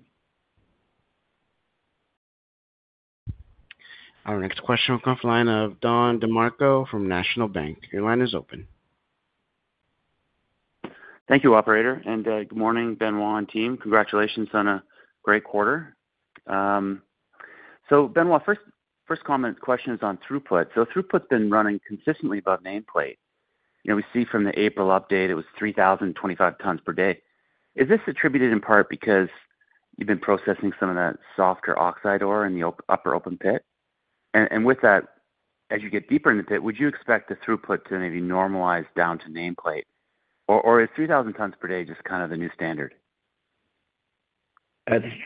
Our next question will come from the line of Don DeMarco from National Bank. Your line is open. Thank you, operator. Good morning, Benoit and team. Congratulations on a great quarter. Benoit, first comment question is on throughput. Throughput's been running consistently above nameplate. We see from the April update, it was 3,025 tons per day. Is this attributed in part because you've been processing some of that softer oxide ore in the upper open pit? With that, as you get deeper in the pit, would you expect the throughput to maybe normalize down to nameplate? Or is 3,000 tons per day just kind of the new standard?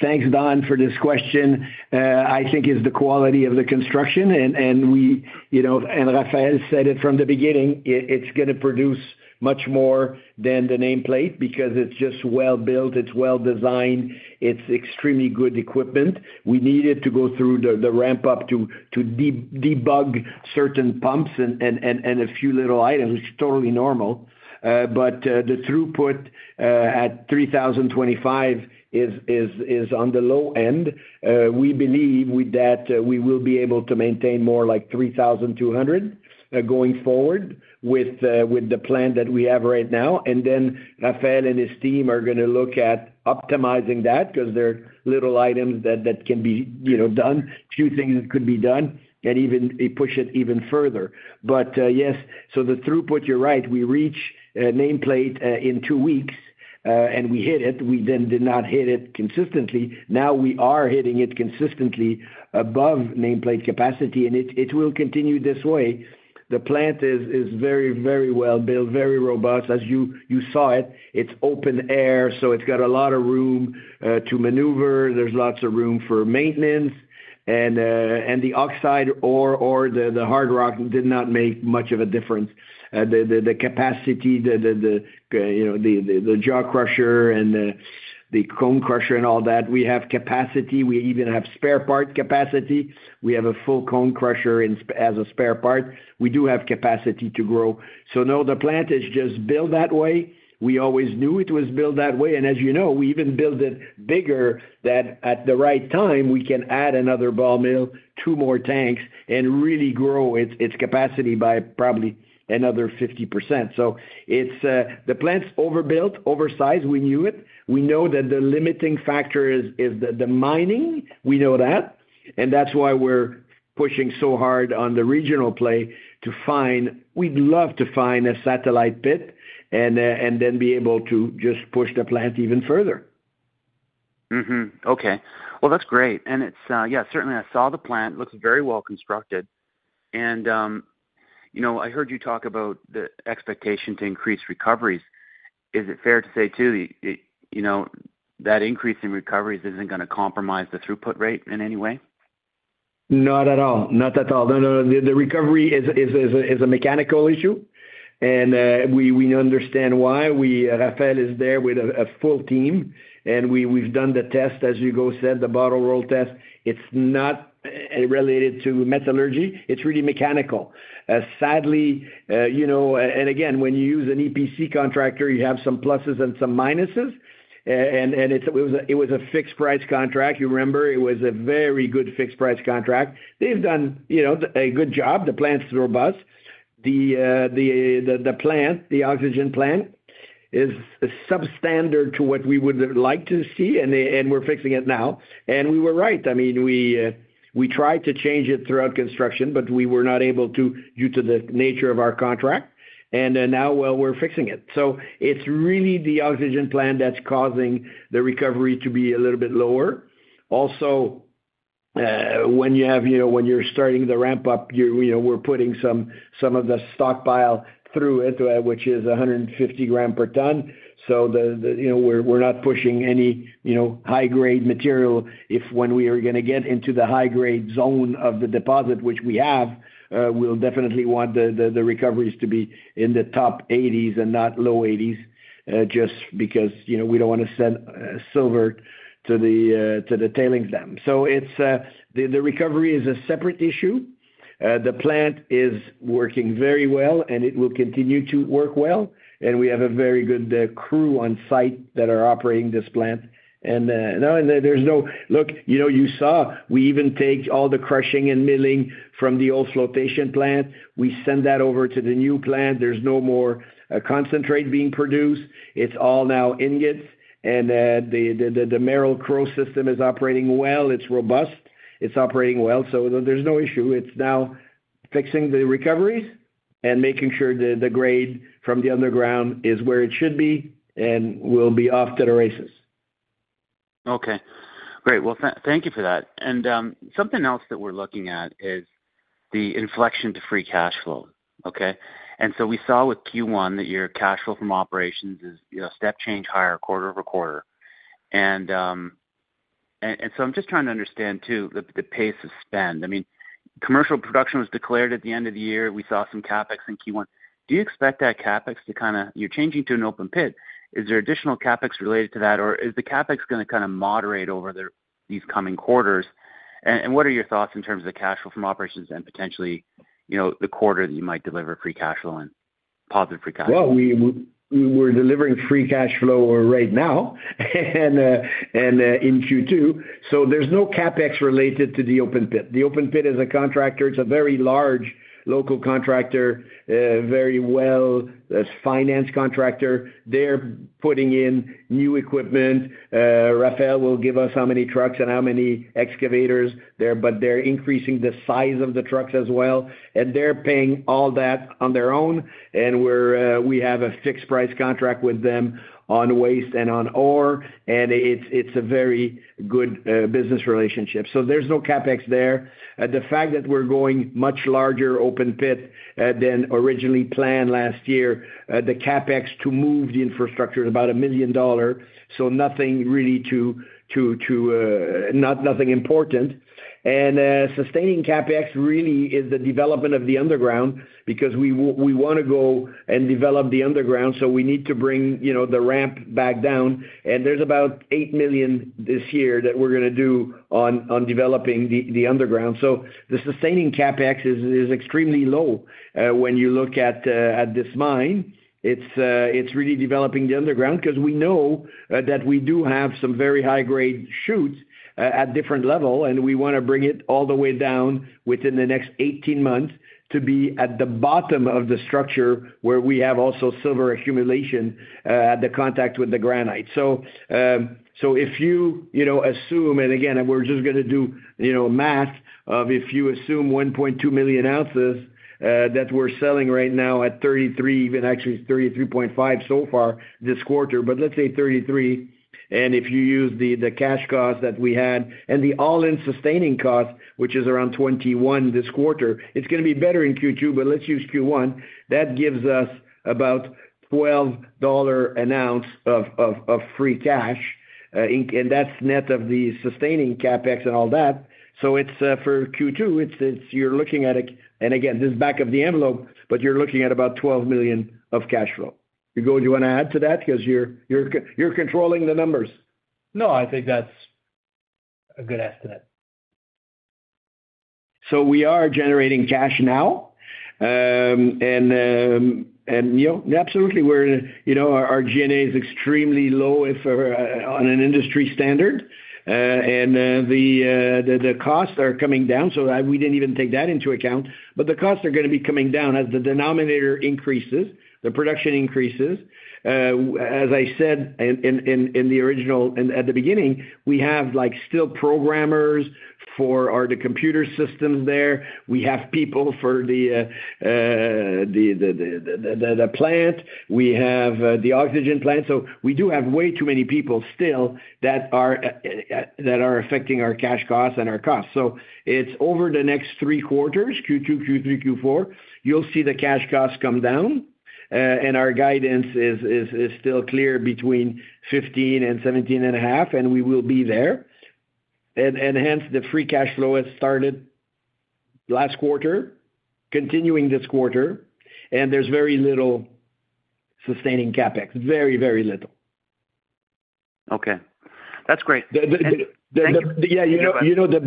Thanks, Don, for this question. I think it's the quality of the construction. And Raphaël said it from the beginning, it's going to produce much more than the nameplate because it's just well-built, it's well-designed, it's extremely good equipment. We needed to go through the ramp-up to debug certain pumps and a few little items, which is totally normal. The throughput at 3,025 is on the low end. We believe that we will be able to maintain more like 3,200 going forward with the plan that we have right now. Raphaël and his team are going to look at optimizing that because there are little items that can be done, a few things that could be done, and even push it even further. Yes, the throughput, you're right, we reach nameplate in two weeks, and we hit it. We then did not hit it consistently. Now we are hitting it consistently above nameplate capacity, and it will continue this way. The plant is very, very well-built, very robust. As you saw it, it is open air, so it has a lot of room to maneuver. There is lots of room for maintenance. And the oxide ore or the hard rock did not make much of a difference. The capacity, the jaw crusher and the cone crusher and all that, we have capacity. We even have spare part capacity. We have a full cone crusher as a spare part. We do have capacity to grow. No, the plant is just built that way. We always knew it was built that way. As you know, we even built it bigger so that at the right time, we can add another ball mill, two more tanks, and really grow its capacity by probably another 50%. The plant's overbuilt, oversized. We knew it. We know that the limiting factor is the mining. We know that. That's why we're pushing so hard on the regional play to find—we'd love to find a satellite pit and then be able to just push the plant even further. Okay. That's great. Yeah, certainly, I saw the plant. It looks very well constructed. I heard you talk about the expectation to increase recoveries. Is it fair to say too that increase in recoveries isn't going to compromise the throughput rate in any way? Not at all. Not at all. No, no, no. The recovery is a mechanical issue. And we understand why. Raphaël is there with a full team. And we've done the test, as Ugo said, the bottle roll test. It's not related to metallurgy. It's really mechanical. Sadly, when you use an EPC contractor, you have some pluses and some minuses. It was a fixed-price contract. You remember it was a very good fixed-price contract. They've done a good job. The plant's robust. The plant, the oxygen plant, is substandard to what we would like to see, and we're fixing it now. We were right. I mean, we tried to change it throughout construction, but we were not able to due to the nature of our contract. Now, we're fixing it. It is really the oxygen plant that is causing the recovery to be a little bit lower. Also, when you are starting the ramp-up, we are putting some of the stockpile through it, which is 150 g per ton. We are not pushing any high-grade material. If, when we are going to get into the high-grade zone of the deposit, which we have, we will definitely want the recoveries to be in the top 80% and not low 80% just because we do not want to send silver to the tailings dam. The recovery is a separate issue. The plant is working very well, and it will continue to work well. We have a very good crew on site that are operating this plant. No, there is no—look, you saw we even take all the crushing and milling from the old flotation plant. We send that over to the new plant. There's no more concentrate being produced. It's all now ingots. The Merrill-Crowe system is operating well. It's robust. It's operating well. There's no issue. It's now fixing the recoveries and making sure the grade from the underground is where it should be and will be off to the races. Okay. Great. Thank you for that. Something else that we're looking at is the inflection to free cash flow. Okay. We saw with Q1 that your cash flow from operations is step change higher quarter over quarter. I'm just trying to understand too the pace of spend. I mean, commercial production was declared at the end of the year. We saw some CapEx in Q1. Do you expect that CapEx to kind of, you're changing to an open pit, is there additional CapEx related to that, or is the CapEx going to kind of moderate over these coming quarters? What are your thoughts in terms of the cash flow from operations and potentially the quarter that you might deliver free cash flow and positive free cash flow? We're delivering free cash flow right now and in Q2. There is no CapEx related to the open pit. The open pit is a contractor. It is a very large local contractor, very well-financed contractor. They are putting in new equipment. Raphaël will give us how many trucks and how many excavators there, but they are increasing the size of the trucks as well. They are paying all that on their own. We have a fixed-price contract with them on waste and on ore. It is a very good business relationship. There is no CapEx there. The fact that we are going much larger open pit than originally planned last year, the CapEx to move the infrastructure is about $1 million. Nothing really to nothing important. Sustaining CapEx really is the development of the underground because we want to go and develop the underground. We need to bring the ramp back down. There is about $8 million this year that we are going to do on developing the underground. The sustaining CapEx is extremely low when you look at this mine. It is really developing the underground because we know that we do have some very high-grade chutes at different levels, and we want to bring it all the way down within the next 18 months to be at the bottom of the structure where we have also silver accumulation at the contact with the granite. If you assume, and again, we are just going to do a math of, if you assume 1.2 million ounces that we are selling right now at $33, even actually $33.5 so far this quarter, but let us say $33. If you use the cash cost that we had and the all-in sustaining cost, which is around $21 this quarter, it is going to be better in Q2, but let's use Q1. That gives us about $12 an ounce of free cash, and that is net of the sustaining CapEx and all that. For Q2, you are looking at it and again, this is back of the envelope, but you are looking at about $12 million of cash flow. Ugo, do you want to add to that because you are controlling the numbers? No, I think that's a good estimate. We are generating cash now. Absolutely, our G&A is extremely low on an industry standard. The costs are coming down. We did not even take that into account, but the costs are going to be coming down as the denominator increases, the production increases. As I said in the original at the beginning, we have still programmers for the computer systems there. We have people for the plant. We have the oxygen plant. We do have way too many people still that are affecting our cash costs and our costs. Over the next three quarters, Q2, Q3, Q4, you will see the cash costs come down. Our guidance is still clear between $15 and $17.5, and we will be there. Hence, the free cash flow has started last quarter, continuing this quarter. There's very little sustaining CapEx, very, very little. Okay. That's great. Yeah. You know the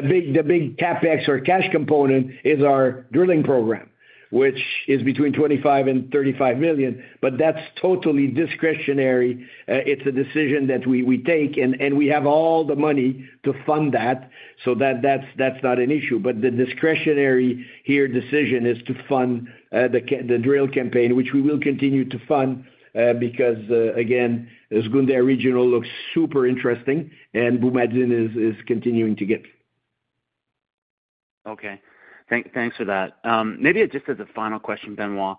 big CapEx or cash component is our drilling program, which is between $25 million and $35 million, but that's totally discretionary. It's a decision that we take, and we have all the money to fund that, so that's not an issue. The discretionary here decision is to fund the drill campaign, which we will continue to fund because, again, Zgounder Regional looks super interesting, and Boumadine is continuing to get. Okay. Thanks for that. Maybe just as a final question, Benoit,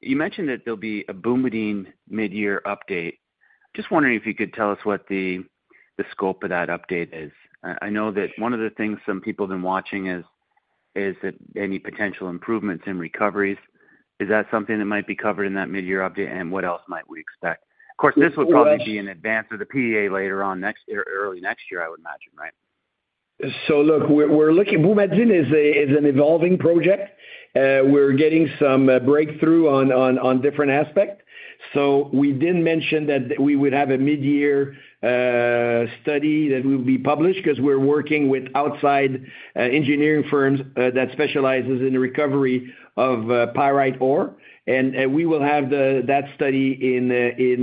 you mentioned that there'll be a Boumadine mid-year update. Just wondering if you could tell us what the scope of that update is. I know that one of the things some people have been watching is any potential improvements in recoveries. Is that something that might be covered in that mid-year update? What else might we expect? Of course, this would probably be in advance of the PEA later on early next year, I would imagine, right? Look, Boumadine is an evolving project. We're getting some breakthrough on different aspects. We did mention that we would have a mid-year study that will be published because we're working with outside engineering firms that specialize in the recovery of pyrite ore. We will have that study in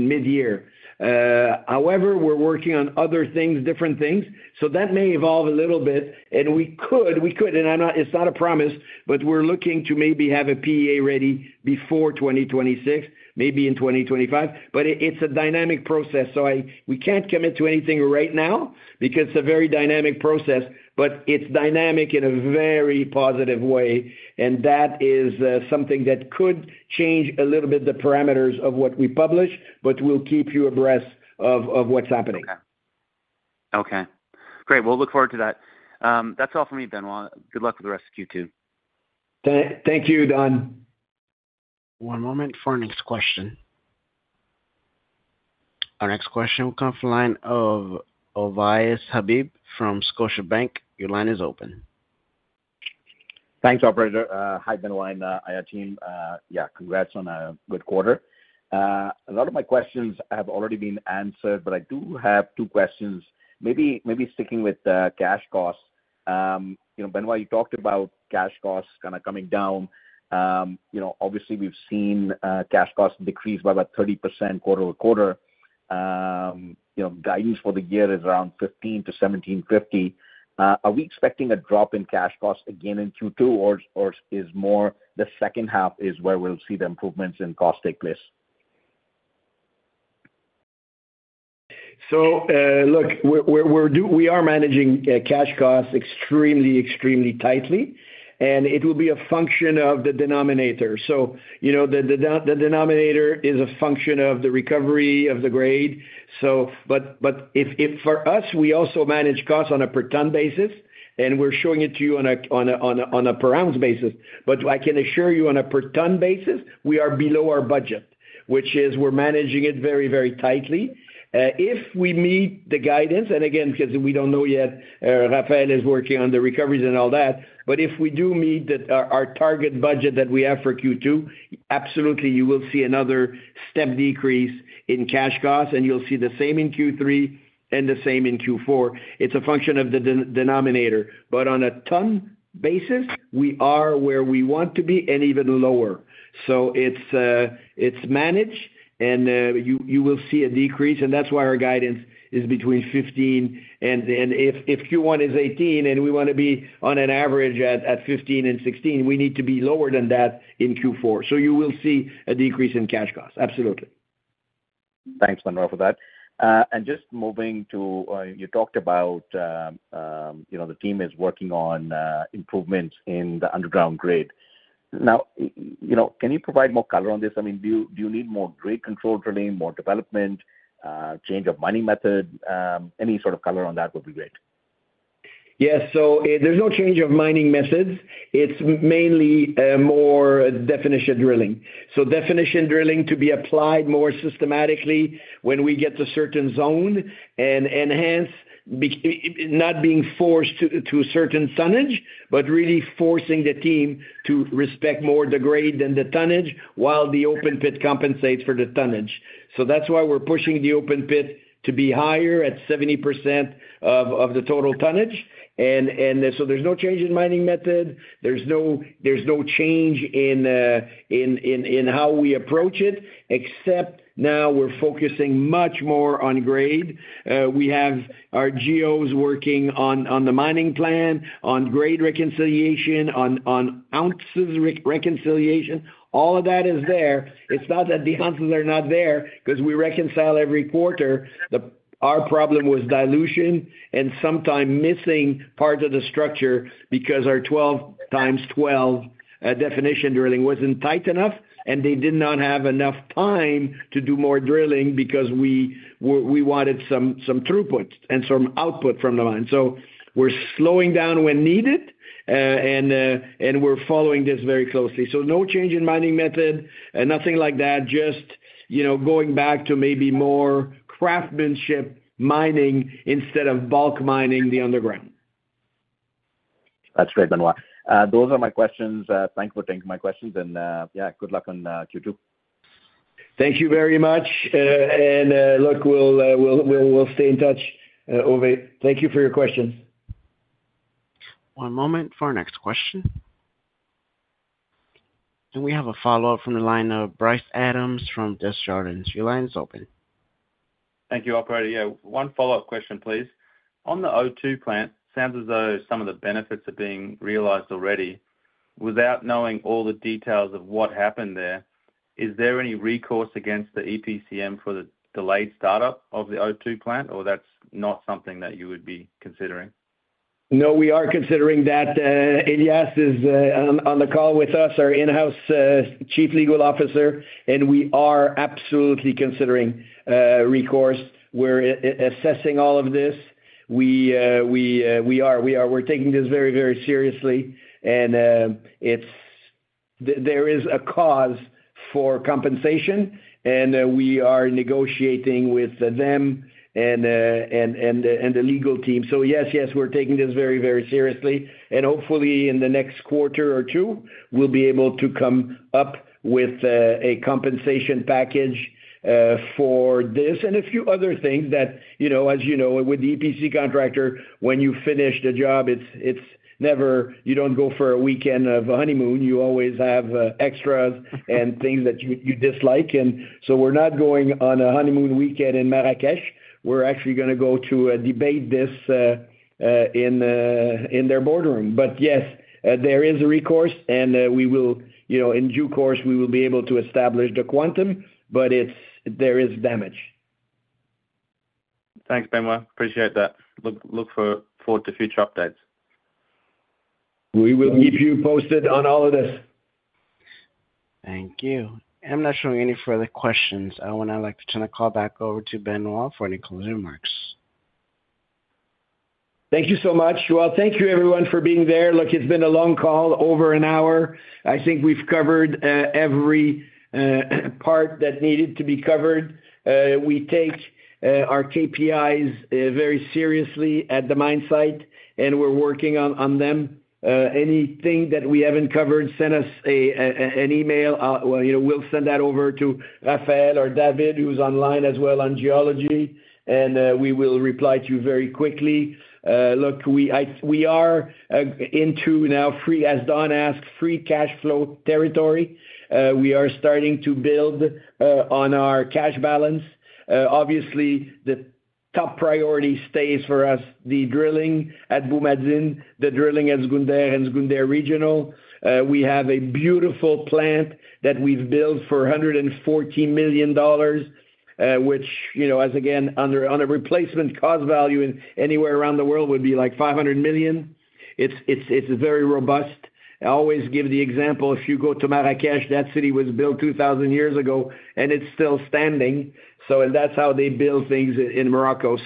mid-year. However, we're working on other things, different things. That may evolve a little bit. We could, and it's not a promise, but we're looking to maybe have a PEA ready before 2026, maybe in 2025. It's a dynamic process. We can't commit to anything right now because it's a very dynamic process, but it's dynamic in a very positive way. That is something that could change a little bit the parameters of what we publish, but we'll keep you abreast of what's happening. Okay. Okay. Great. Look forward to that. That's all for me, Benoit. Good luck with the rest of Q2. Thank you, Don. One moment for our next question. Our next question will come from the line of Ovais Habib from Scotiabank. Your line is open. Thanks, operator. Hi, Benoit and Aya team. Yeah, congrats on a good quarter. A lot of my questions have already been answered, but I do have two questions, maybe sticking with cash costs. Benoit, you talked about cash costs kind of coming down. Obviously, we've seen cash costs decrease by about 30% quarter-over-quarter. Guidance for the year is around $15-$17.50. Are we expecting a drop in cash costs again in Q2, or is it more the second half where we'll see the improvements in cost take place? Look, we are managing cash costs extremely, extremely tightly, and it will be a function of the denominator. The denominator is a function of the recovery of the grade. For us, we also manage costs on a per ton basis, and we are showing it to you on a per ounce basis. I can assure you on a per ton basis, we are below our budget, which is, we are managing it very, very tightly. If we meet the guidance, and again, because we do not know yet, Raphaël is working on the recoveries and all that, but if we do meet our target budget that we have for Q2, absolutely, you will see another step decrease in cash costs, and you will see the same in Q3 and the same in Q4. It is a function of the denominator. On a ton basis, we are where we want to be and even lower. It is managed, and you will see a decrease. That is why our guidance is between $15 and if Q1 is $18 and we want to be on an average at $15-$16, we need to be lower than that in Q4. You will see a decrease in cash costs. Absolutely. Thanks, Benoit, for that. Just moving to you talked about the team is working on improvements in the underground grade. Now, can you provide more color on this? I mean, do you need more grade control drilling, more development, change of mining method? Any sort of color on that would be great. Yes. So there's no change of mining methods. It's mainly more definition drilling. So definition drilling to be applied more systematically when we get to a certain zone and hence not being forced to a certain tonnage, but really forcing the team to respect more the grade than the tonnage while the open pit compensates for the tonnage. That's why we're pushing the open pit to be higher at 70% of the total tonnage. And so there's no change in mining method. There's no change in how we approach it, except now we're focusing much more on grade. We have our GOs working on the mining plan, on grade reconciliation, on ounces reconciliation. All of that is there. It's not that the ounces are not there because we reconcile every quarter. Our problem was dilution and sometimes missing parts of the structure because our 12 times 12 definition drilling was not tight enough, and they did not have enough time to do more drilling because we wanted some throughput and some output from the mine. We are slowing down when needed, and we are following this very closely. No change in mining method and nothing like that, just going back to maybe more craftsmanship mining instead of bulk mining the underground. That's great, Benoit. Those are my questions. Thanks for taking my questions. Yeah, good luck on Q2. Thank you very much. Look, we'll stay in touch, Ovais. Thank you for your questions. One moment for our next question. We have a follow-up from the line of Bryce Adams from Desjardins. Your line is open. Thank you, Alberto. Yeah, one follow-up question, please. On the O2 plant, it sounds as though some of the benefits are being realized already. Without knowing all the details of what happened there, is there any recourse against the EPCM for the delayed startup of the O2 plant, or that's not something that you would be considering? No, we are considering that. Ilyas is on the call with us, our in-house Chief Legal Officer, and we are absolutely considering recourse. We're assessing all of this. We are. We're taking this very, very seriously. There is a cause for compensation, and we are negotiating with them and the legal team. Yes, yes, we're taking this very, very seriously. Hopefully, in the next quarter or two, we'll be able to come up with a compensation package for this and a few other things that, as you know, with the EPC contractor, when you finish the job, you don't go for a weekend of a honeymoon. You always have extras and things that you dislike. We're not going on a honeymoon weekend in Marrakesh. We're actually going to go to debate this in their boardroom. Yes, there is a recourse, and in due course, we will be able to establish the quantum, but there is damage. Thanks, Benoit. Appreciate that. Look forward to future updates. We will keep you posted on all of this. Thank you. I'm not showing any further questions. I want to turn the call back over to Benoit for any closing remarks. Thank you so much. Thank you, everyone, for being there. Look, it's been a long call, over an hour. I think we've covered every part that needed to be covered. We take our KPIs very seriously at the mine site, and we're working on them. Anything that we haven't covered, send us an email. We'll send that over to Raphaël or David, who's online as well on geology, and we will reply to you very quickly. Look, we are into now, as Don asked, free cash flow territory. We are starting to build on our cash balance. Obviously, the top priority stays for us the drilling at Boumadine, the drilling at Zgounder and Zgounder Regional. We have a beautiful plant that we've built for $140 million, which, again, on a replacement cost value anywhere around the world would be like $500 million. It's very robust. I always give the example, if you go to Marrakesh, that city was built 2,000 years ago, and it's still standing. That is how they build things in Morocco.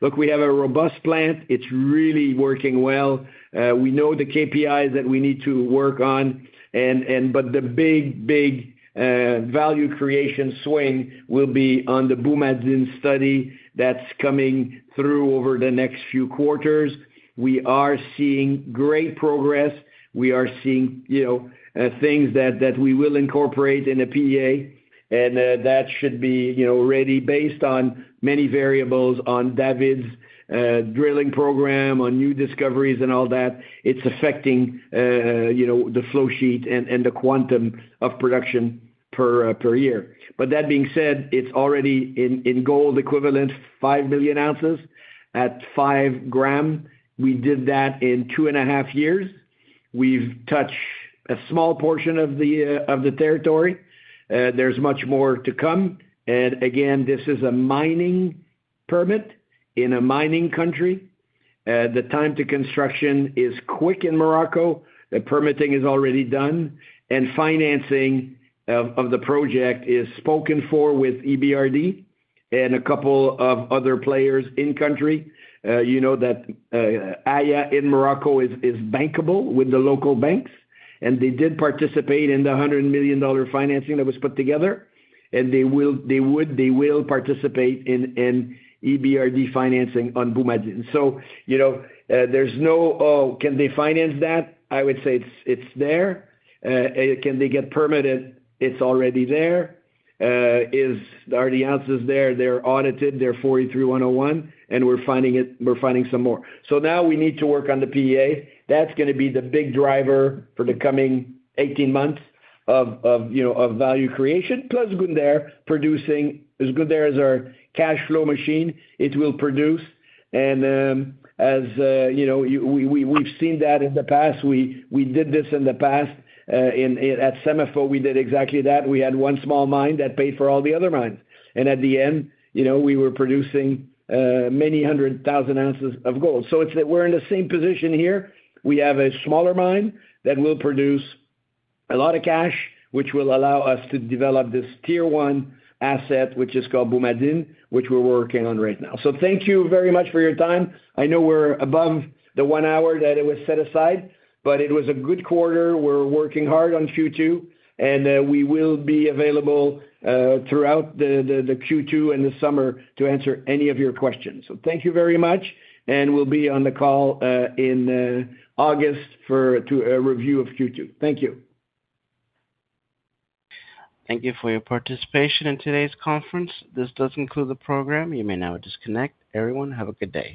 Look, we have a robust plant. It's really working well. We know the KPIs that we need to work on. The big, big value creation swing will be on the Boumadine study that's coming through over the next few quarters. We are seeing great progress. We are seeing things that we will incorporate in the PEA, and that should be ready based on many variables on David's drilling program, on new discoveries and all that. It's affecting the flow sheet and the quantum of production per year. That being said, it's already in gold equivalent, 5 million ounces at 5 g. We did that in two and a half years. We've touched a small portion of the territory. There's much more to come. Again, this is a mining permit in a mining country. The time to construction is quick in Morocco. The permitting is already done. Financing of the project is spoken for with EBRD and a couple of other players in country. You know that Aya in Morocco is bankable with the local banks, and they did participate in the $100 million financing that was put together. They will participate in EBRD financing on Boumadine. There is no "can they finance that?" I would say it's there. "Can they get permitted?" It's already there. "Are the ounces there?" They're audited. They're 43-101, and we're finding some more. Now we need to work on the PEA. That's going to be the big driver for the coming 18 months of value creation, plus Zgounder producing. Zgounder is our cash flow machine. It will produce. As we have seen that in the past, we did this in the past. At Semafor, we did exactly that. We had one small mine that paid for all the other mines. At the end, we were producing many hundred thousand ounces of gold. We are in the same position here. We have a smaller mine that will produce a lot of cash, which will allow us to develop this tier one asset, which is called Boumadine, which we are working on right now. Thank you very much for your time. I know we are above the one hour that was set aside, but it was a good quarter. We are working hard on Q2, and we will be available throughout Q2 and the summer to answer any of your questions. Thank you very much, and we will be on the call in August for a review of Q2. Thank you. Thank you for your participation in today's conference. This does conclude the program. You may now disconnect. Everyone, have a good day.